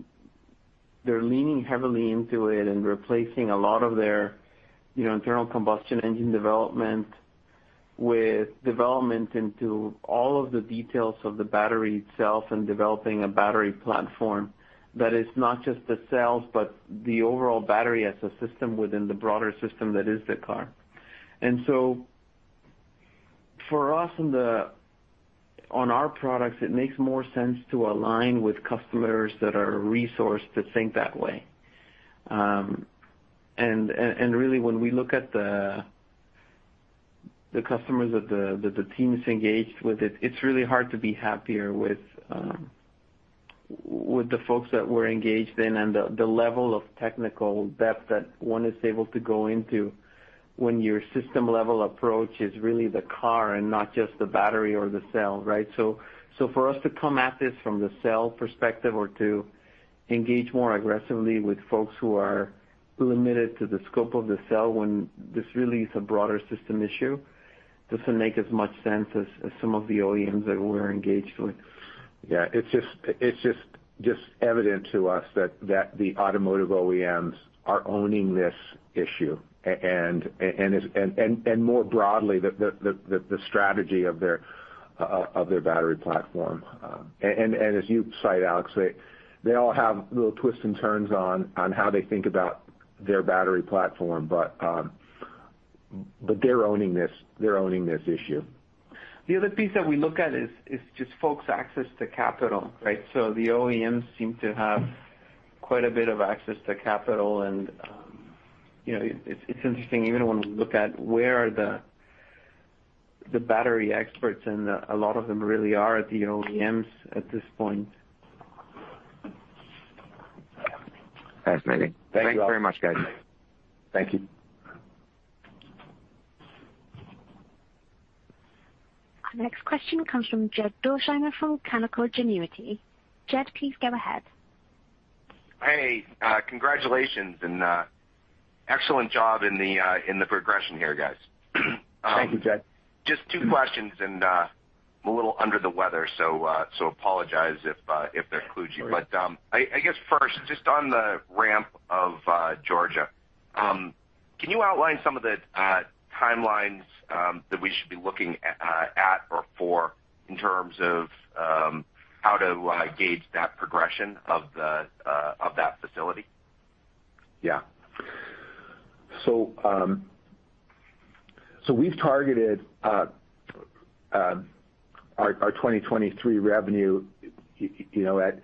they're leaning heavily into it and replacing a lot of their, you know, internal combustion engine development with development into all of the details of the battery itself and developing a battery platform that is not just the cells, but the overall battery as a system within the broader system that is the car. For us on our products, it makes more sense to align with customers that are resourced to think that way. Really, when we look at the customers that the team is engaged with, it's really hard to be happier with the folks that we're engaged with and the level of technical depth that one is able to go into when your system level approach is really the car and not just the battery or the cell, right? For us to come at this from the cell perspective or to engage more aggressively with folks who are limited to the scope of the cell when this really is a broader system issue doesn't make as much sense as some of the OEMs that we're engaged with. Yeah. It's just evident to us that the automotive OEMs are owning this issue. It's more broadly the strategy of their battery platform. As you cite, Alex, they all have little twists and turns on how they think about their battery platform. They're owning this issue. The other piece that we look at is just folks' access to capital, right? The OEMs seem to have quite a bit of access to capital. You know, it's interesting even when we look at where the battery experts and a lot of them really are at the OEMs at this point. Fascinating. Thank you all. Thanks very much, guys. Thank you. Our next question comes from Jed Dorsheimer from Canaccord Genuity. Jed, please go ahead. Hey, congratulations and excellent job in the progression here, guys. Thank you, Jed. Just two questions, and I'm a little under the weather, so apologize if they're kludgy. Sorry. I guess first, just on the ramp of Georgia, can you outline some of the timelines that we should be looking at or for in terms of how to gauge that progression of that facility? Yeah. We've targeted our 2023 revenue, you know, at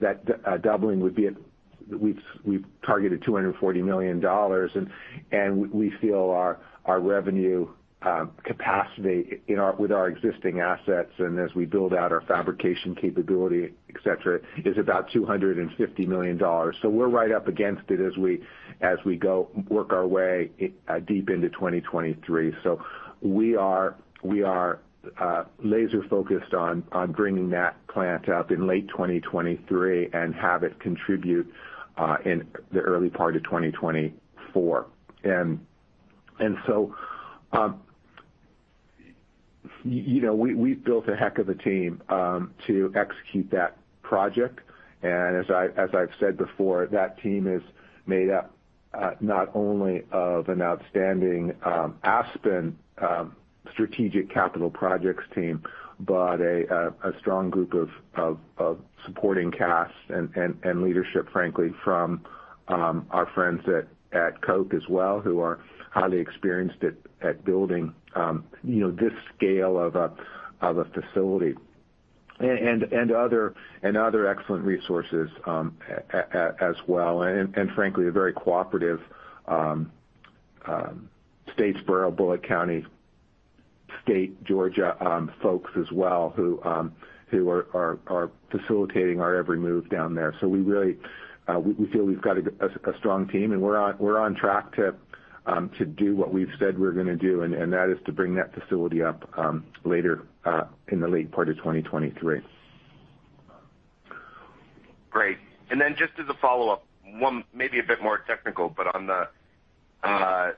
that doubling would be at $240 million. We feel our revenue capacity with our existing assets, and as we build out our fabrication capability, et cetera, is about $250 million. We're right up against it as we go work our way deep into 2023. We are laser focused on bringing that plant up in late 2023 and have it contribute in the early part of 2024. You know, we've built a heck of a team to execute that project. As I've said before, that team is made up not only of an outstanding Aspen strategic capital projects team, but a strong group of supporting cast and leadership, frankly, from our friends at Koch as well, who are highly experienced at building, you know, this scale of a facility. Other excellent resources as well, and frankly, a very cooperative Statesboro, Bulloch County, Georgia folks as well, who are facilitating our every move down there. We really feel we've got a strong team, and we're on track to do what we've said we're gonna do, and that is to bring that facility up later in the late part of 2023. Great. Just as a follow-up, one maybe a bit more technical, but on the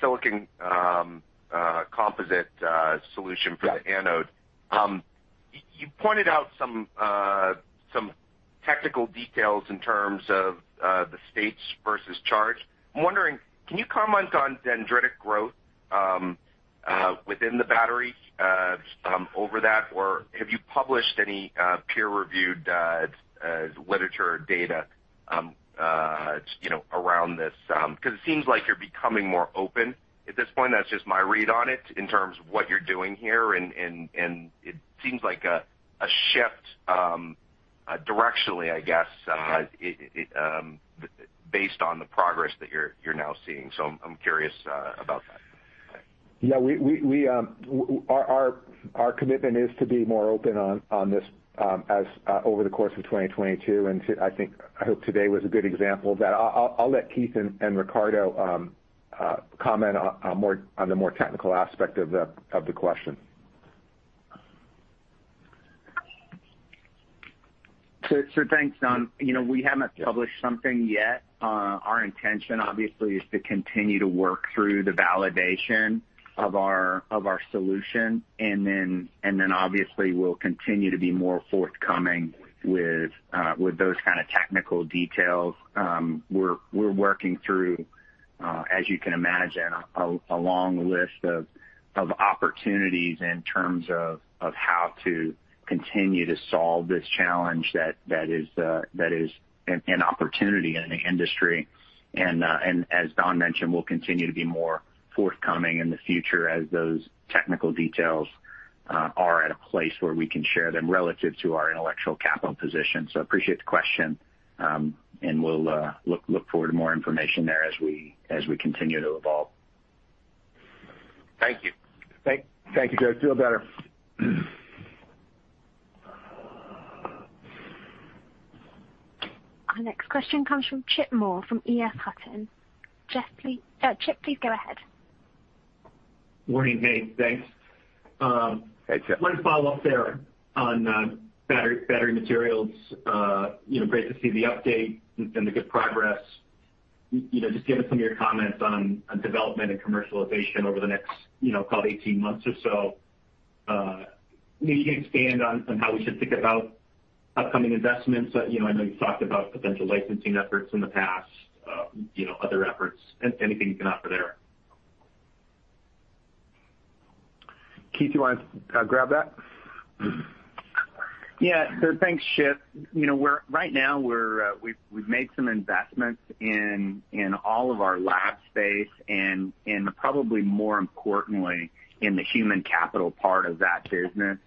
silicon composite solution for the anode. You pointed out some technical details in terms of the state of charge. I'm wondering, can you comment on dendritic growth within the battery over that, or have you published any peer-reviewed literature or data, you know, around this? Because it seems like you're becoming more open at this point. That's just my read on it in terms of what you're doing here. And it seems like a shift directionally, I guess, it's based on the progress that you're now seeing. I'm curious about that. Yeah, our commitment is to be more open on this as over the course of 2022. I think I hope today was a good example of that. I'll let Keith and Ricardo comment on the more technical aspect of the question. Thanks, Don. You know, we haven't published something yet. Our intention obviously is to continue to work through the validation of our solution, and then obviously we'll continue to be more forthcoming with those kind of technical details. We're working through, as you can imagine, a long list of opportunities in terms of how to continue to solve this challenge that is an opportunity in the industry. As Don mentioned, we'll continue to be more forthcoming in the future as those technical details are at a place where we can share them relative to our intellectual capital position. Appreciate the question, and we'll look forward to more information there as we continue to evolve. Thank you. Thank you, Jed. Feel better. Our next question comes from Chip Moore from EF Hutton. Chip, please go ahead. Morning, guys. Thanks. Hey, Chip. Wanted to follow up there on battery materials. You know, great to see the update and the good progress. You know, just given some of your comments on development and commercialization over the next, you know, call it 18 months or so, maybe you can expand on how we should think about upcoming investments. You know, I know you've talked about potential licensing efforts in the past, you know, other efforts. Anything you can offer there. Keith, you wanna grab that? Yeah. Thanks, Chip. You know, right now we've made some investments in all of our lab space and probably more importantly, in the human capital part of that business.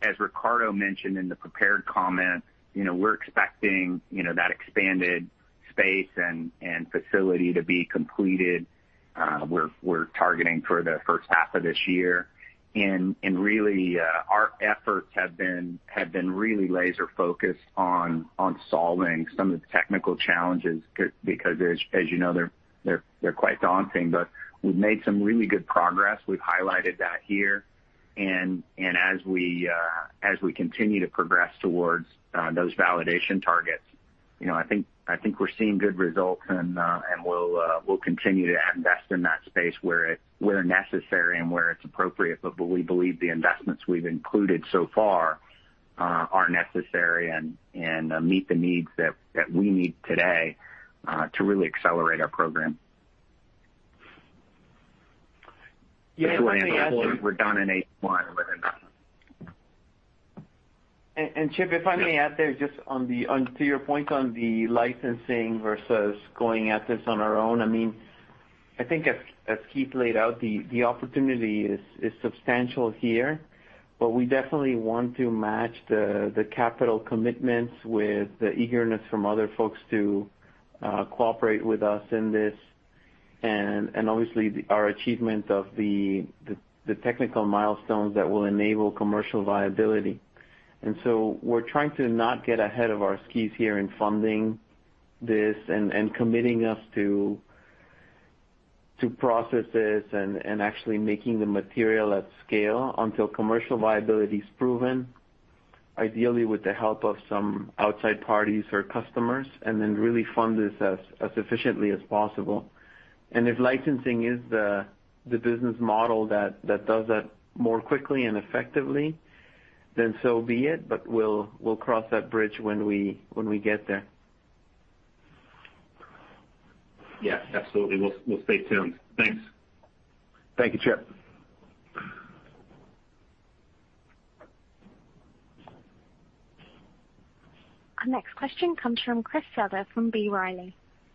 As Ricardo mentioned in the prepared comments, you know, we're expecting, you know, that expanded space and facility to be completed. We're targeting for the first half of this year. Really, our efforts have been really laser focused on solving some of the technical challenges because as you know, they're quite daunting. We've made some really good progress. We've highlighted that here. As we continue to progress towards those validation targets, you know, I think we're seeing good results and we'll continue to invest in that space where necessary and where it's appropriate. We believe the investments we've included so far are necessary and meet the needs that we need today to really accelerate our program. Yeah, if I may add. We're done in H1 with it. Chip, if I may add there just on to your point on the licensing versus going at this on our own. I mean, I think as Keith laid out, the opportunity is substantial here, but we definitely want to match the capital commitments with the eagerness from other folks to cooperate with us in this and obviously our achievement of the technical milestones that will enable commercial viability. We're trying to not get ahead of our skis here in funding this and committing us to process this and actually making the material at scale until commercial viability is proven, ideally with the help of some outside parties or customers, and then really fund this as efficiently as possible. If licensing is the business model that does that more quickly and effectively, then so be it. But we'll cross that bridge when we get there. Yeah, absolutely. We'll stay tuned. Thanks. Thank you, Chip. Our next question comes from Chris Souther from B. Riley.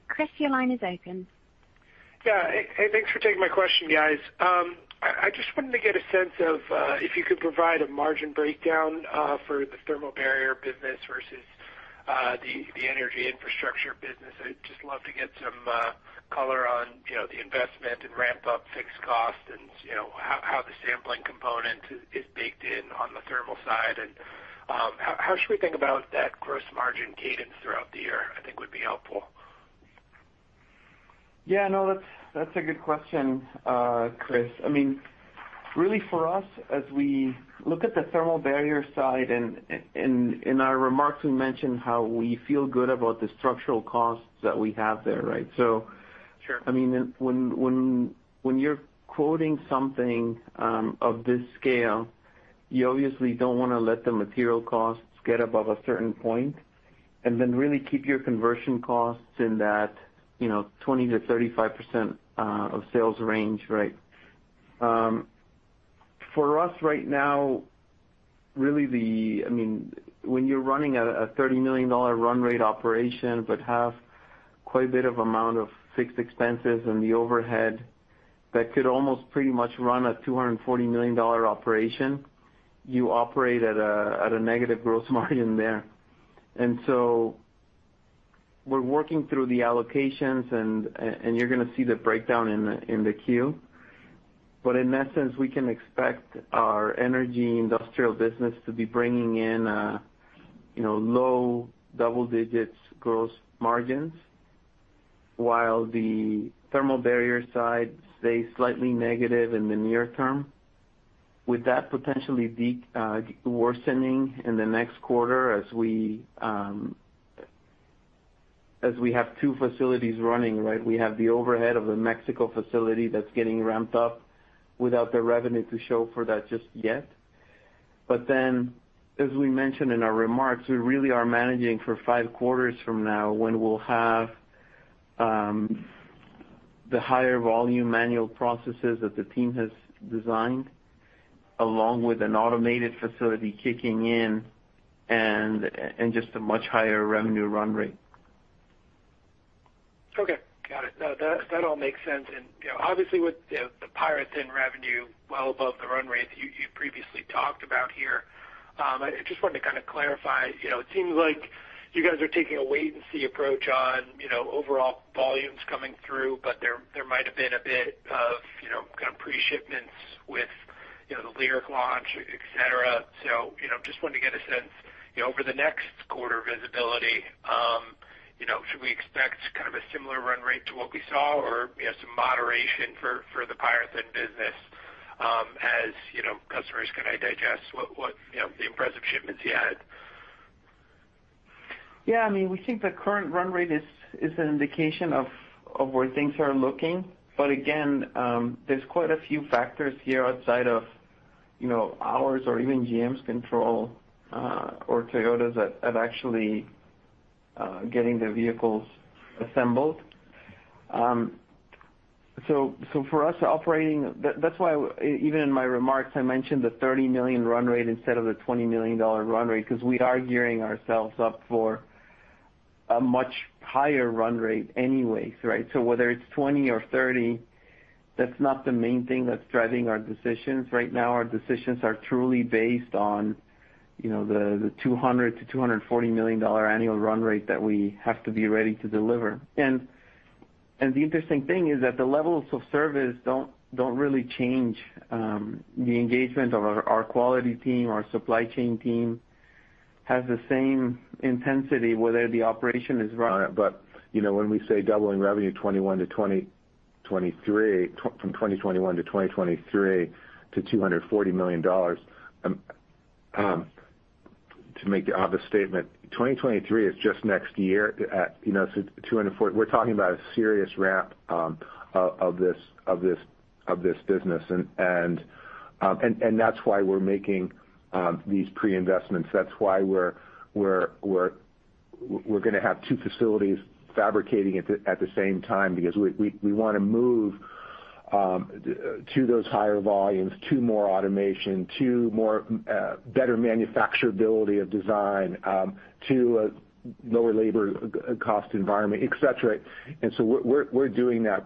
Chris, your line is open. Yeah. Hey, thanks for taking my question, guys. I just wanted to get a sense of if you could provide a margin breakdown for the thermal barrier business versus the energy infrastructure business. I'd just love to get some color on, you know, the investment and ramp up fixed costs and, you know, how the sampling component is baked in on the thermal side. How should we think about that gross margin cadence throughout the year. I think would be helpful. Yeah, no, that's a good question, Chris. I mean, really for us, as we look at the thermal barrier side, and in our remarks, we mentioned how we feel good about the structural costs that we have there, right? Sure. I mean, when you're quoting something of this scale, you obviously don't wanna let the material costs get above a certain point and then really keep your conversion costs in that, you know, 20%-35% of sales range, right? For us right now, I mean, when you're running a $30 million run rate operation, but have quite a bit of amount of fixed expenses and the overhead, that could almost pretty much run a $240 million operation. You operate at a negative gross margin there. We're working through the allocations and you're gonna see the breakdown in the Q. In essence, we can expect our energy industrial business to be bringing in, you know, low double digits% gross margins. While the thermal barrier side stays slightly negative in the near term, with that potentially worsening in the next quarter as we have two facilities running, right? We have the overhead of the Mexico facility that's getting ramped up without the revenue to show for that just yet. As we mentioned in our remarks, we really are managing for five quarters from now when we'll have the higher volume manual processes that the team has designed, along with an automated facility kicking in and just a much higher revenue run rate. Okay, got it. No, that all makes sense. You know, obviously with the PyroThin revenue well above the run rate you previously talked about here, I just wanted to kind of clarify. You know, it seems like you guys are taking a wait and see approach on, you know, overall volumes coming through, but there might have been a bit of, you know, kind of pre-shipments with, you know, the LYRIQ launch, et cetera. You know, just wanted to get a sense, you know, over the next quarter visibility, you know, should we expect kind of a similar run rate to what we saw or, you know, some moderation for the PyroThin business, as you know, customers kind of digest what the impressive shipments you had? Yeah. I mean, we think the current run rate is an indication of where things are looking. Again, there's quite a few factors here outside of, you know, ours or even GM's control, or Toyota's at actually getting the vehicles assembled. That, that's why Even in my remarks, I mentioned the $30 million run rate instead of the $20 million run rate because we are gearing ourselves up for a much higher run rate anyways, right? Whether it's 20 or 30, that's not the main thing that's driving our decisions right now. Our decisions are truly based on, you know, the $200 million-$240 million annual run rate that we have to be ready to deliver. The interesting thing is that the levels of service don't really change the engagement of our quality team. Our supply chain team has the same intensity whether the operation is run. You know, when we say doubling revenue from 2021 to 2023 to $240 million, to make the obvious statement, 2023 is just next year, you know, so $240 million. We're talking about a serious ramp of this business. That's why we're making these pre-investments. That's why we're gonna have two facilities fabricating at the same time because we wanna move to those higher volumes, to more automation, to better manufacturability of design, to a lower labor cost environment, et cetera. We're doing that.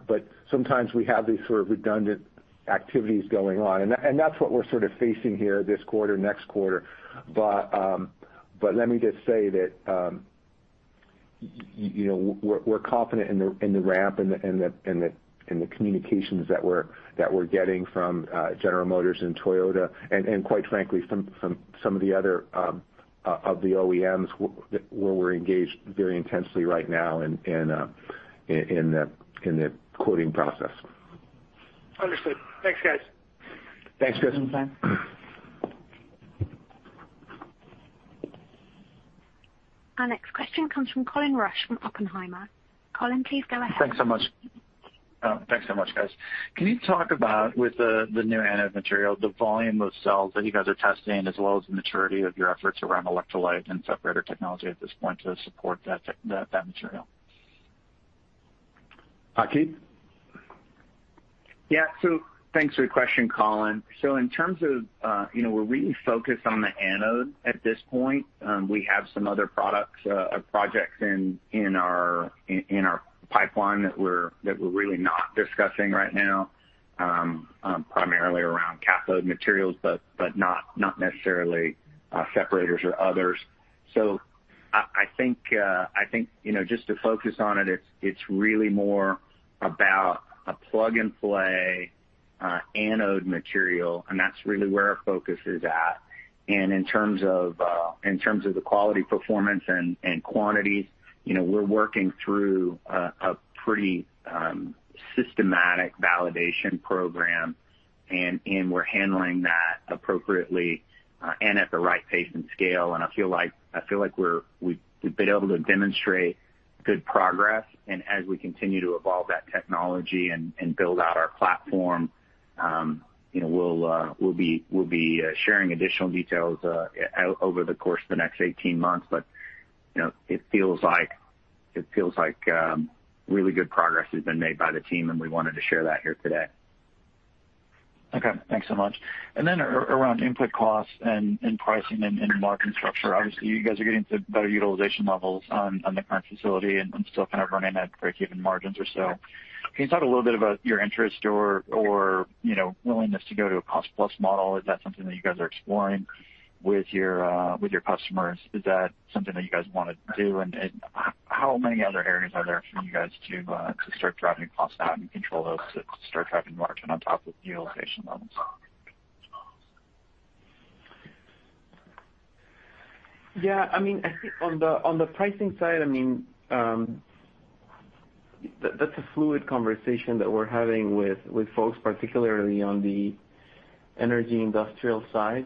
Sometimes we have these sort of redundant activities going on, and that's what we're sort of facing here this quarter, next quarter. Let me just say that you know we're confident in the ramp and the communications that we're getting from General Motors and Toyota and quite frankly some of the other OEMs where we're engaged very intensely right now in the quoting process. Understood. Thanks, guys. Thanks, Chris. Thanks. Our next question comes from Colin Rusch from Oppenheimer. Colin, please go ahead. Thanks so much. Thanks so much, guys. Can you talk about, with the new anode material, the volume of cells that you guys are testing, as well as the maturity of your efforts around electrolyte and separator technology at this point to support that material? Keith? Yeah. Thanks for your question, Colin. In terms of, you know, we're really focused on the anode at this point. We have some other products, projects in our pipeline that we're really not discussing right now, primarily around cathode materials, but not necessarily separators or others. I think, you know, just to focus on it's really more about a plug and play anode material, and that's really where our focus is at. In terms of the quality, performance and quantities, you know, we're working through a pretty systematic validation program, and we're handling that appropriately, and at the right pace and scale. I feel like we've been able to demonstrate good progress. As we continue to evolve that technology and build out our platform, you know, we'll be sharing additional details over the course of the next 18 months. You know, it feels like really good progress has been made by the team, and we wanted to share that here today. Okay. Thanks so much. Then around input costs and pricing and margin structure, obviously you guys are getting to better utilization levels on the current facility and still kind of running at breakeven margins or so. Can you talk a little bit about your interest or you know, willingness to go to a cost plus model? Is that something that you guys are exploring with your customers? Is that something that you guys wanna do? How many other areas are there for you guys to start driving costs out and control those to start driving margin on top of utilization levels? Yeah, I mean, I think on the pricing side, I mean, that's a fluid conversation that we're having with folks, particularly on the energy industrial side.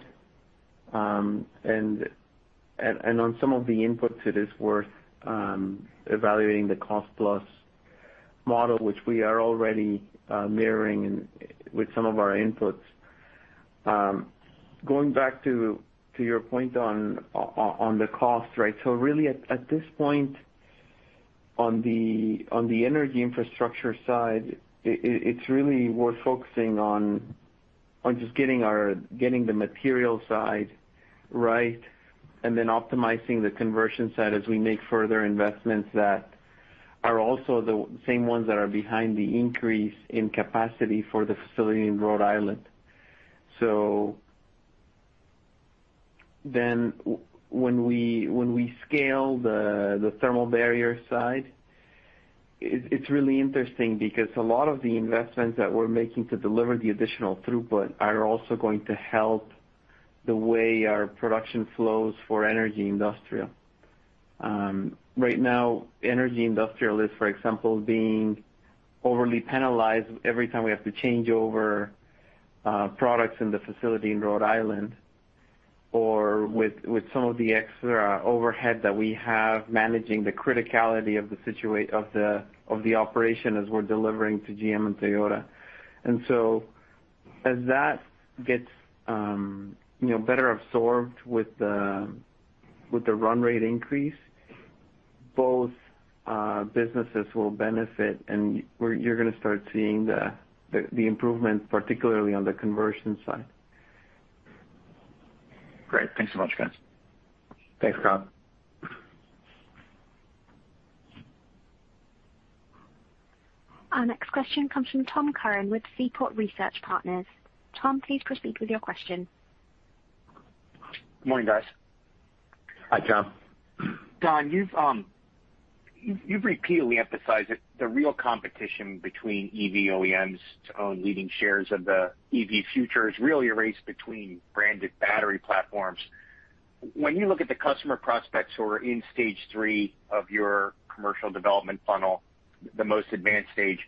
On some of the inputs it is worth evaluating the cost plus model, which we are already mirroring with some of our inputs. Going back to your point on the cost, right? Really at this point on the energy infrastructure side, it's really worth focusing on just getting the material side right, and then optimizing the conversion side as we make further investments that are also the same ones that are behind the increase in capacity for the facility in Rhode Island. When we scale the thermal barrier side, it's really interesting because a lot of the investments that we're making to deliver the additional throughput are also going to help the way our production flows for energy industrial. Right now, energy industrial is, for example, being overly penalized every time we have to change over products in the facility in Rhode Island or with some of the extra overhead that we have managing the criticality of the operation as we're delivering to GM and Toyota. As that gets you know better absorbed with the run rate increase, both businesses will benefit. You're gonna start seeing the improvement, particularly on the conversion side. Great. Thanks so much, guys. Thanks, Colin. Our next question comes from Tom Curran with Seaport Research Partners. Tom, please proceed with your question. Good morning, guys. Hi, Tom. Don, you've repeatedly emphasized that the real competition between EV OEMs to own leading shares of the EV future is really a race between branded battery platforms. When you look at the customer prospects who are in stage three of your commercial development funnel, the most advanced stage,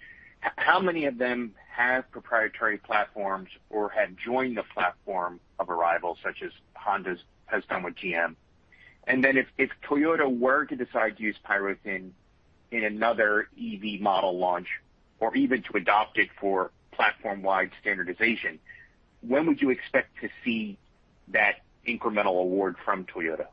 how many of them have proprietary platforms or have joined the platform or rival such as Honda's has done with GM? Then if Toyota were to decide to use PyroThin in another EV model launch or even to adopt it for platform-wide standardization, when would you expect to see that incremental award from Toyota?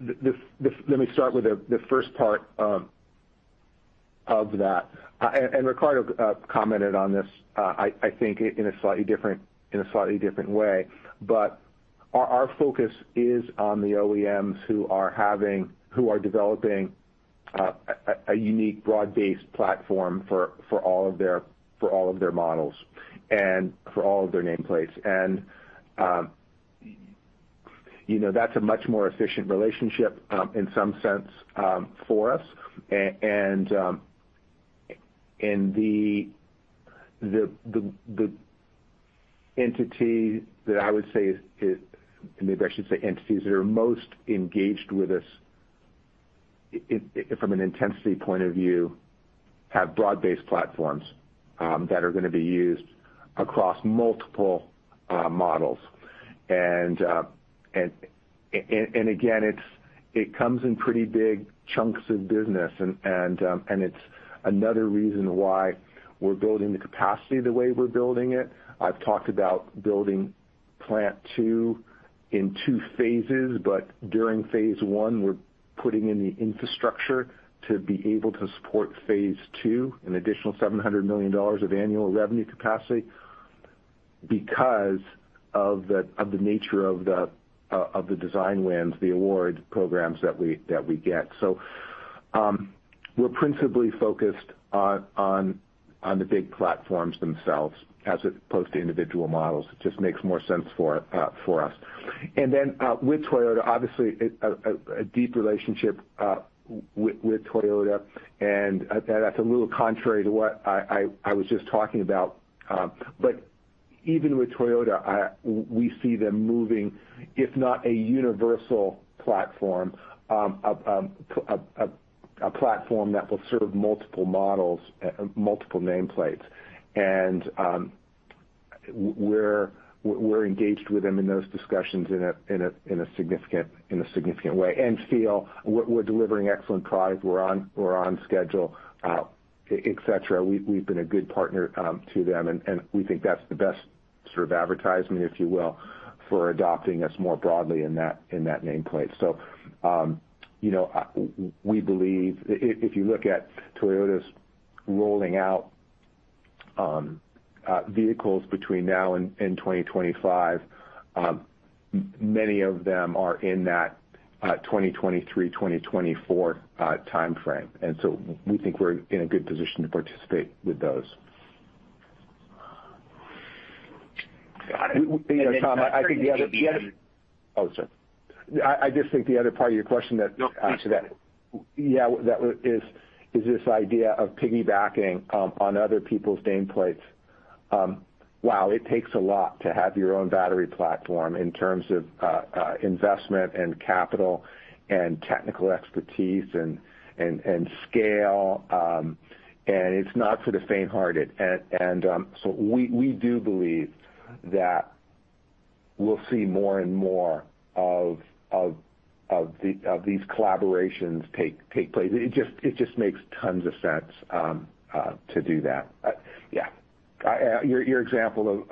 Let me start with the first part of that. Ricardo commented on this, I think in a slightly different way. Our focus is on the OEMs who are developing a unique broad-based platform for all of their models and for all of their nameplates. You know, that's a much more efficient relationship in some sense for us. The entity that I would say is, maybe I should say, entities that are most engaged with us from an intensity point of view have broad-based platforms that are gonna be used across multiple models. Again, it's. It comes in pretty big chunks of business and it's another reason why we're building the capacity the way we're building it. I've talked about building plant two in two phases, but during phase one, we're putting in the infrastructure to be able to support phase two, an additional $700 million of annual revenue capacity because of the nature of the design wins, the award programs that we get. We're principally focused on the big platforms themselves as opposed to individual models. It just makes more sense for us. With Toyota, obviously a deep relationship with Toyota. That's a little contrary to what I was just talking about. Even with Toyota, we see them moving, if not a universal platform, a platform that will serve multiple models, multiple nameplates. We're engaged with them in those discussions in a significant way, and feel we're delivering excellent product. We're on schedule, et cetera. We've been a good partner to them, and we think that's the best sort of advertisement, if you will, for adopting us more broadly in that nameplate. We believe if you look at Toyota's rolling out vehicles between now and 2025, many of them are in that 2023, 2024 timeframe. We think we're in a good position to participate with those. Got it. You know, Tom, I just think the other part of your question that. No, please. Yeah. That is this idea of piggybacking on other people's nameplates. Wow, it takes a lot to have your own battery platform in terms of investment and capital and technical expertise and scale. It's not for the faint-hearted. We do believe that we'll see more and more of these collaborations take place. It just makes tons of sense to do that. Your example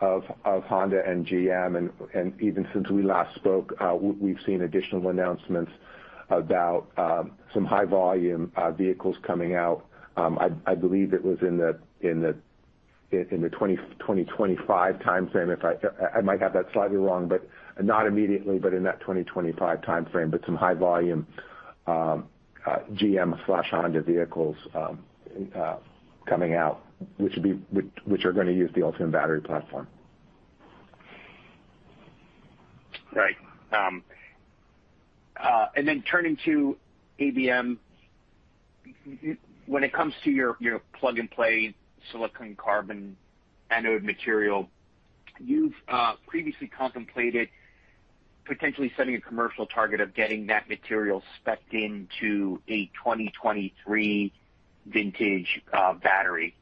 of Honda and GM, and even since we last spoke, we've seen additional announcements about some high volume vehicles coming out. I believe it was in the 2025 timeframe. If I might have that slightly wrong, but not immediately, but in that 2025 timeframe. Some high volume GM and Honda vehicles coming out, which are gonna use the Ultium battery platform. Right. Turning to ABM, when it comes to your plug-and-play silicon carbon anode material, you've previously contemplated potentially setting a commercial target of getting that material spec-ed into a 2023 vintage battery.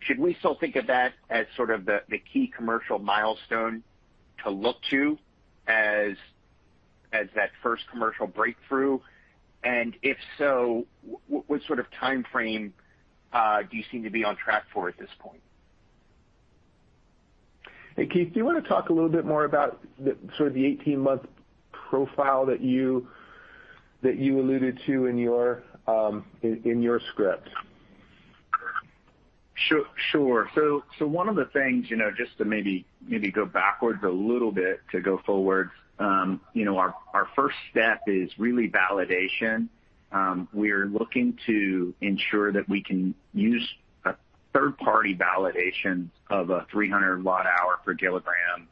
Should we still think of that as sort of the key commercial milestone to look to as that first commercial breakthrough? If so, what sort of timeframe do you seem to be on track for at this point? Hey, Keith, do you wanna talk a little bit more about the, sort of the 18-month profile that you alluded to in your script? Sure. One of the things, you know, just to maybe go backwards a little bit to go forward, you know, our first step is really validation. We're looking to ensure that we can use a third-party validation of a 300 Wh/kg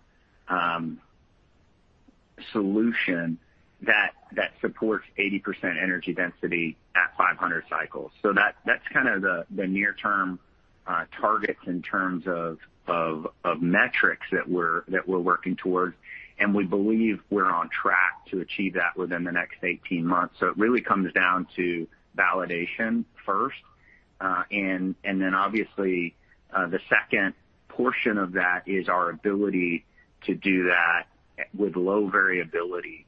solution that supports 80% energy density at 500 cycles. That's kind of the near term targets in terms of metrics that we're working towards, and we believe we're on track to achieve that within the next 18 months. It really comes down to validation first. Then obviously, the second portion of that is our ability to do that with low variability.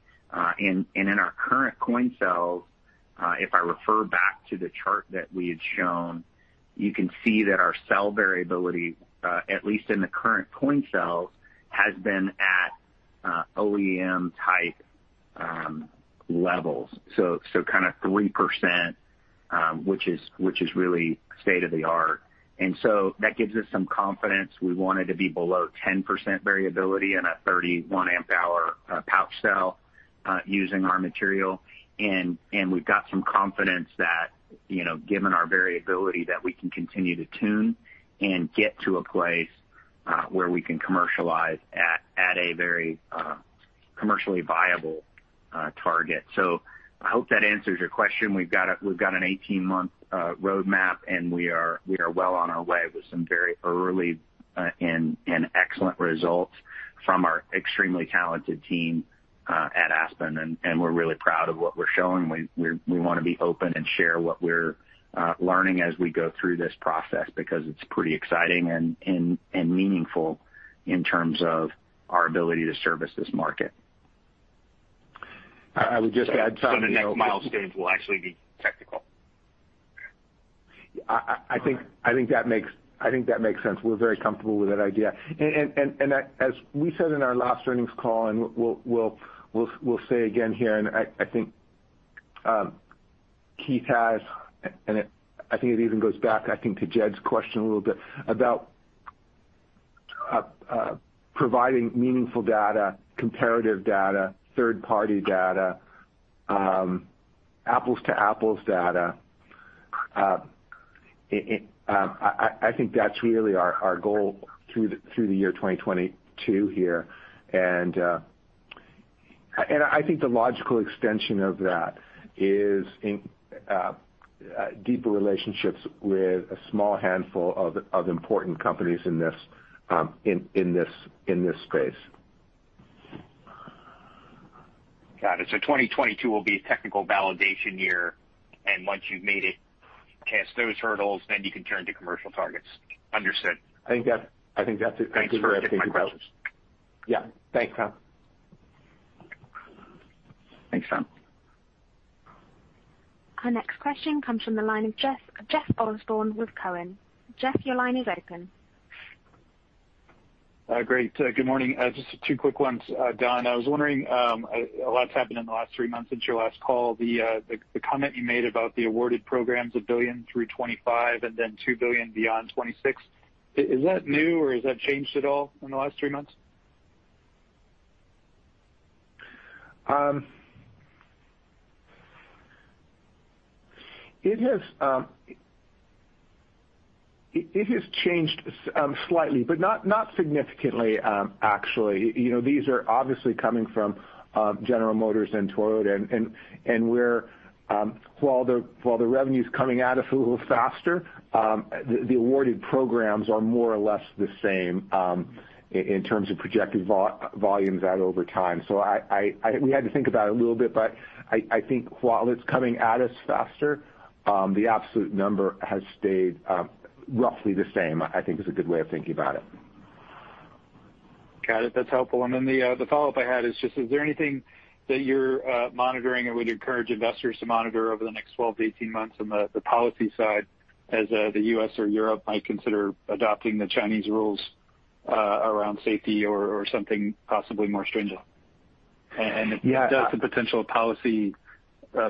In our current coin cells, if I refer back to the chart that we had shown, you can see that our cell variability, at least in the current coin cells, has been at OEM type levels, so kind of 3%, which is really state of the art. That gives us some confidence. We want it to be below 10% variability in a 30 x 1 Ah pouch cell using our material. We've got some confidence that, you know, given our variability, that we can continue to tune and get to a place where we can commercialize at a very commercially viable target. I hope that answers your question. We've got an 18-month roadmap, and we are well on our way with some very early and excellent results from our extremely talented team at Aspen. We're really proud of what we're learning as we go through this process because it's pretty exciting and meaningful in terms of our ability to service this market. I would just add something. The next milestone will actually be technical. I think. All right. I think that makes sense. We're very comfortable with that idea. As we said in our last earnings call, we'll say again here. I think it even goes back to Jed's question a little bit about providing meaningful data, comparative data, third party data, apples to apples data. I think that's really our goal through the year 2022 here. I think the logical extension of that is in deeper relationships with a small handful of important companies in this space. Got it. 2022 will be a technical validation year, and once you've made it past those hurdles, then you can turn to commercial targets. Understood. I think that's a. Thanks for clarifying that. Yeah. Thanks, Tom. Thanks, Tom. Our next question comes from the line of Jeff Osborne with Cowen. Jeff, your line is open. Great. Good morning. Just two quick ones, Don. I was wondering, a lot's happened in the last three months since your last call. The comment you made about the awarded programs, $1 billion through 2025 and then $2 billion beyond 2026, is that new, or has that changed at all in the last three months? It has changed slightly, but not significantly, actually. You know, these are obviously coming from General Motors and Toyota, and while the revenue's coming at us a little faster, the awarded programs are more or less the same in terms of projected volumes out over time. We had to think about it a little bit, but I think while it's coming at us faster, the absolute number has stayed roughly the same, I think is a good way of thinking about it. Got it. That's helpful. The follow-up I had is just, is there anything that you're monitoring or would encourage investors to monitor over the next 12-18 months on the policy side as the U.S. or Europe might consider adopting the Chinese rules around safety or something possibly more stringent? Sorry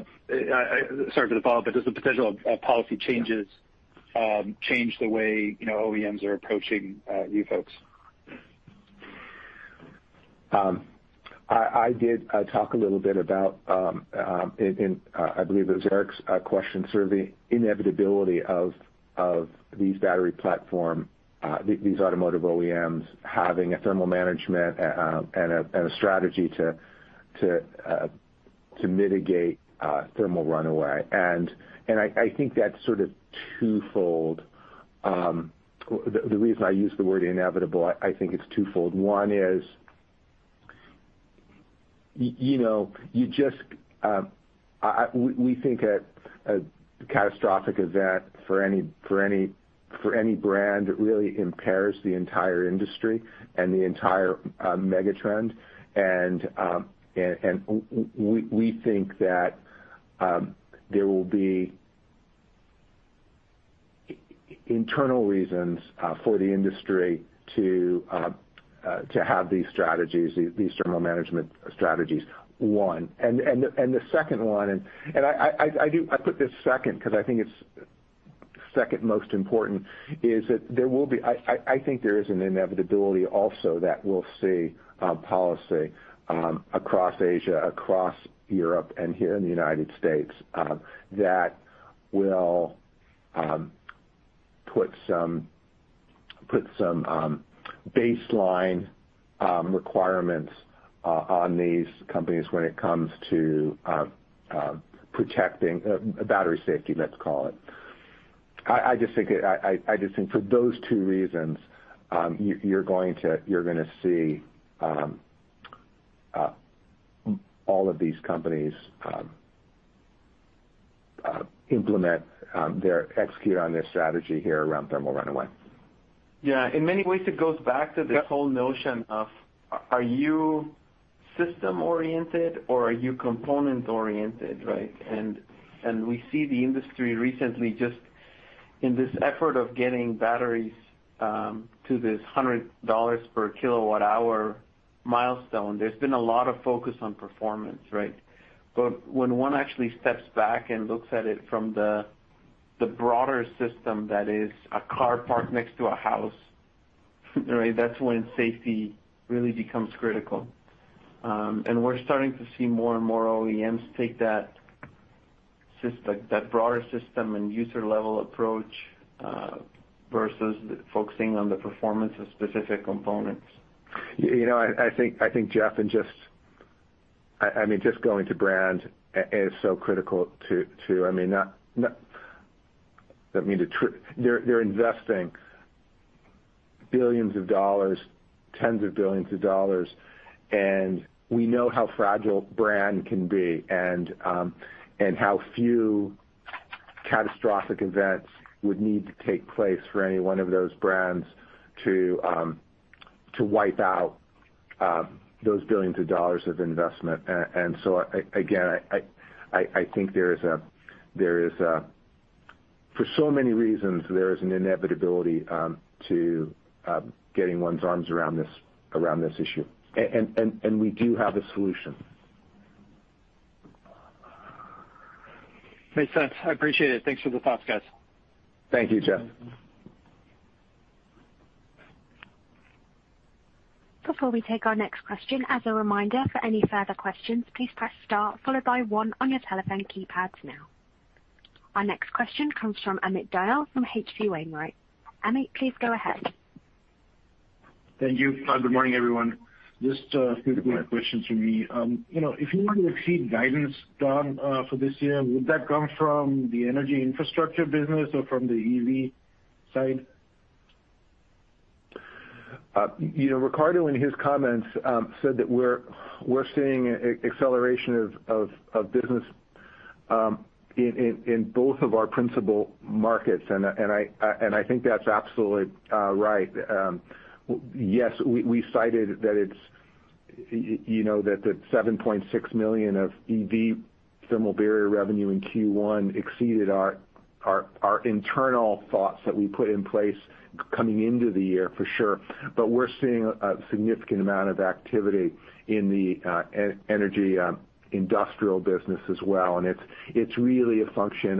for the follow-up, but does the potential of policy changes change the way, you know, OEMs are approaching you folks? I did talk a little bit about. I believe it was Eric's question, sort of the inevitability of these battery platform these automotive OEMs having a thermal management and a strategy to mitigate thermal runaway. I think that's sort of twofold. The reason I use the word inevitable, I think it's twofold. One is you know, you just. We think a catastrophic event for any brand really impairs the entire industry and the entire mega trend. We think that there will be internal reasons for the industry to have these strategies, these thermal management strategies, one. The second one I put this second because I think it's second most important is that I think there is an inevitability also that we'll see policy across Asia across Europe and here in the United States that will put some baseline requirements on these companies when it comes to protecting battery safety, let's call it. I just think for those two reasons you're going to see all of these companies execute on their strategy here around thermal runaway. Yeah. In many ways, it goes back to this whole notion of are you system oriented or are you component oriented, right? We see the industry recently just in this effort of getting batteries to this $100 per kWh milestone. There's been a lot of focus on performance, right? When one actually steps back and looks at it from the broader system that is a car parked next to a house, right, that's when safety really becomes critical. We're starting to see more and more OEMs take that like, that broader system and user level approach versus focusing on the performance of specific components. You know, I think, Jeff, I mean, just going to branding is so critical to. I mean, they're investing billions of dollars, tens of billions of dollars, and we know how fragile brand can be and how few catastrophic events would need to take place for any one of those brands to wipe out those billions of dollars of investment. Again, I think there is. For so many reasons, there is an inevitability to getting one's arms around this issue. We do have a solution. Makes sense. I appreciate it. Thanks for the thoughts, guys. Thank you, Jeff. Before we take our next question, as a reminder, for any further questions, please press star followed by one on your telephone keypads now. Our next question comes from Amit Dayal from H.C. Wainwright. Amit, please go ahead. Thank you. Good morning, everyone. Just a few quick questions from me. You know, if you were to exceed guidance, Don, for this year, would that come from the energy infrastructure business or from the EV side? You know, Ricardo, in his comments, said that we're seeing an acceleration of business in both of our principal markets, and I think that's absolutely right. Yes, we cited that it's, you know, that the $7.6 million of EV thermal barrier revenue in Q1 exceeded our internal thoughts that we put in place coming into the year for sure. But we're seeing a significant amount of activity in the energy industrial business as well. It's really a function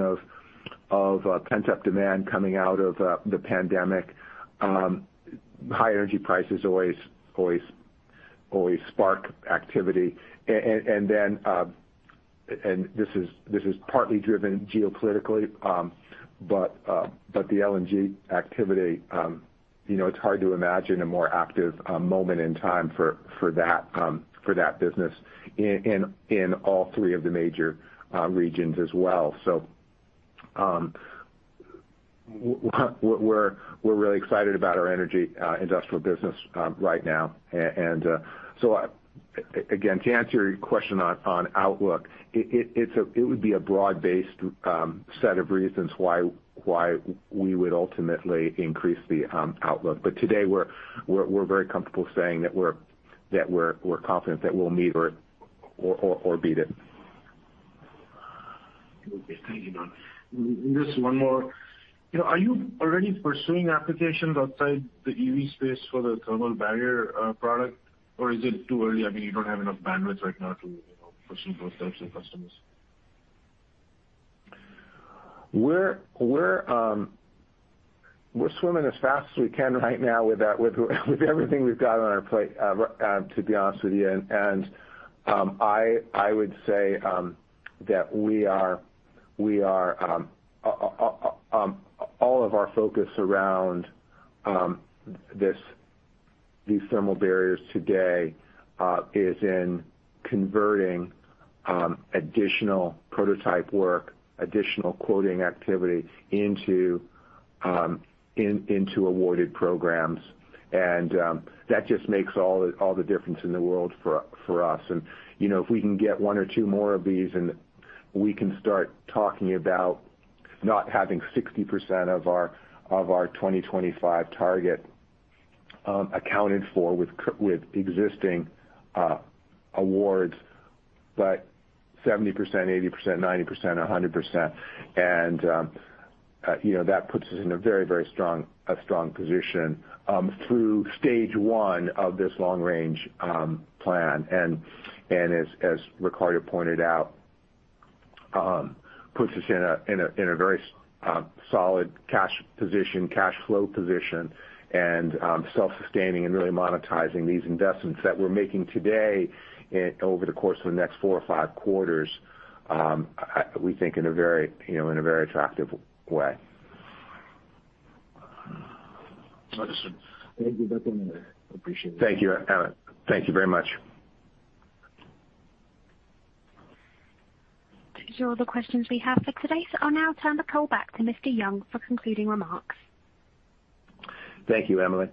of pent-up demand coming out of the pandemic. High energy prices always spark activity. This is partly driven geopolitically, but the LNG activity. It's hard to imagine a more active moment in time for that business in all three of the major regions as well. We're really excited about our energy industrial business right now. To answer your question on outlook, it would be a broad-based set of reasons why we would ultimately increase the outlook. Today we're very comfortable saying that we're confident that we'll meet or beat it. Okay, thank you, Don. Just one more. You know, are you already pursuing applications outside the EV space for the thermal barrier product? Or is it too early? I mean, you don't have enough bandwidth right now to, you know, pursue those types of customers. We're swimming as fast as we can right now with everything we've got on our plate, to be honest with you. I would say that all of our focus around these thermal barriers today is in converting additional prototype work, additional quoting activity into awarded programs. That just makes all the difference in the world for us. You know, if we can get one or two more of these and we can start talking about not having 60% of our 2025 target accounted for with existing awards, but 70%, 80%, 90%, 100%. You know, that puts us in a very strong position through stage one of this long range plan. As Ricardo pointed out, that puts us in a very solid cash position, cash flow position, and self-sustaining and really monetizing these investments that we're making today over the course of the next four or five quarters. We think in a very attractive way. Understood. Thank you, gentlemen. I appreciate it. Thank you, Amit. Thank you very much. These are all the questions we have for today. I'll now turn the call back to Mr. Young for concluding remarks. Thank you, Emily.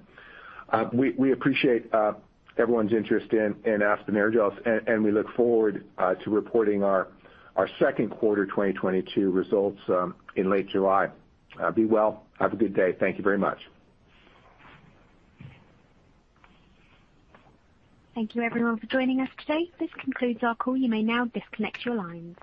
We appreciate everyone's interest in Aspen Aerogels, and we look forward to reporting our second quarter 2022 results in late July. Be well. Have a good day. Thank you very much. Thank you everyone for joining us today. This concludes our call. You may now disconnect your lines.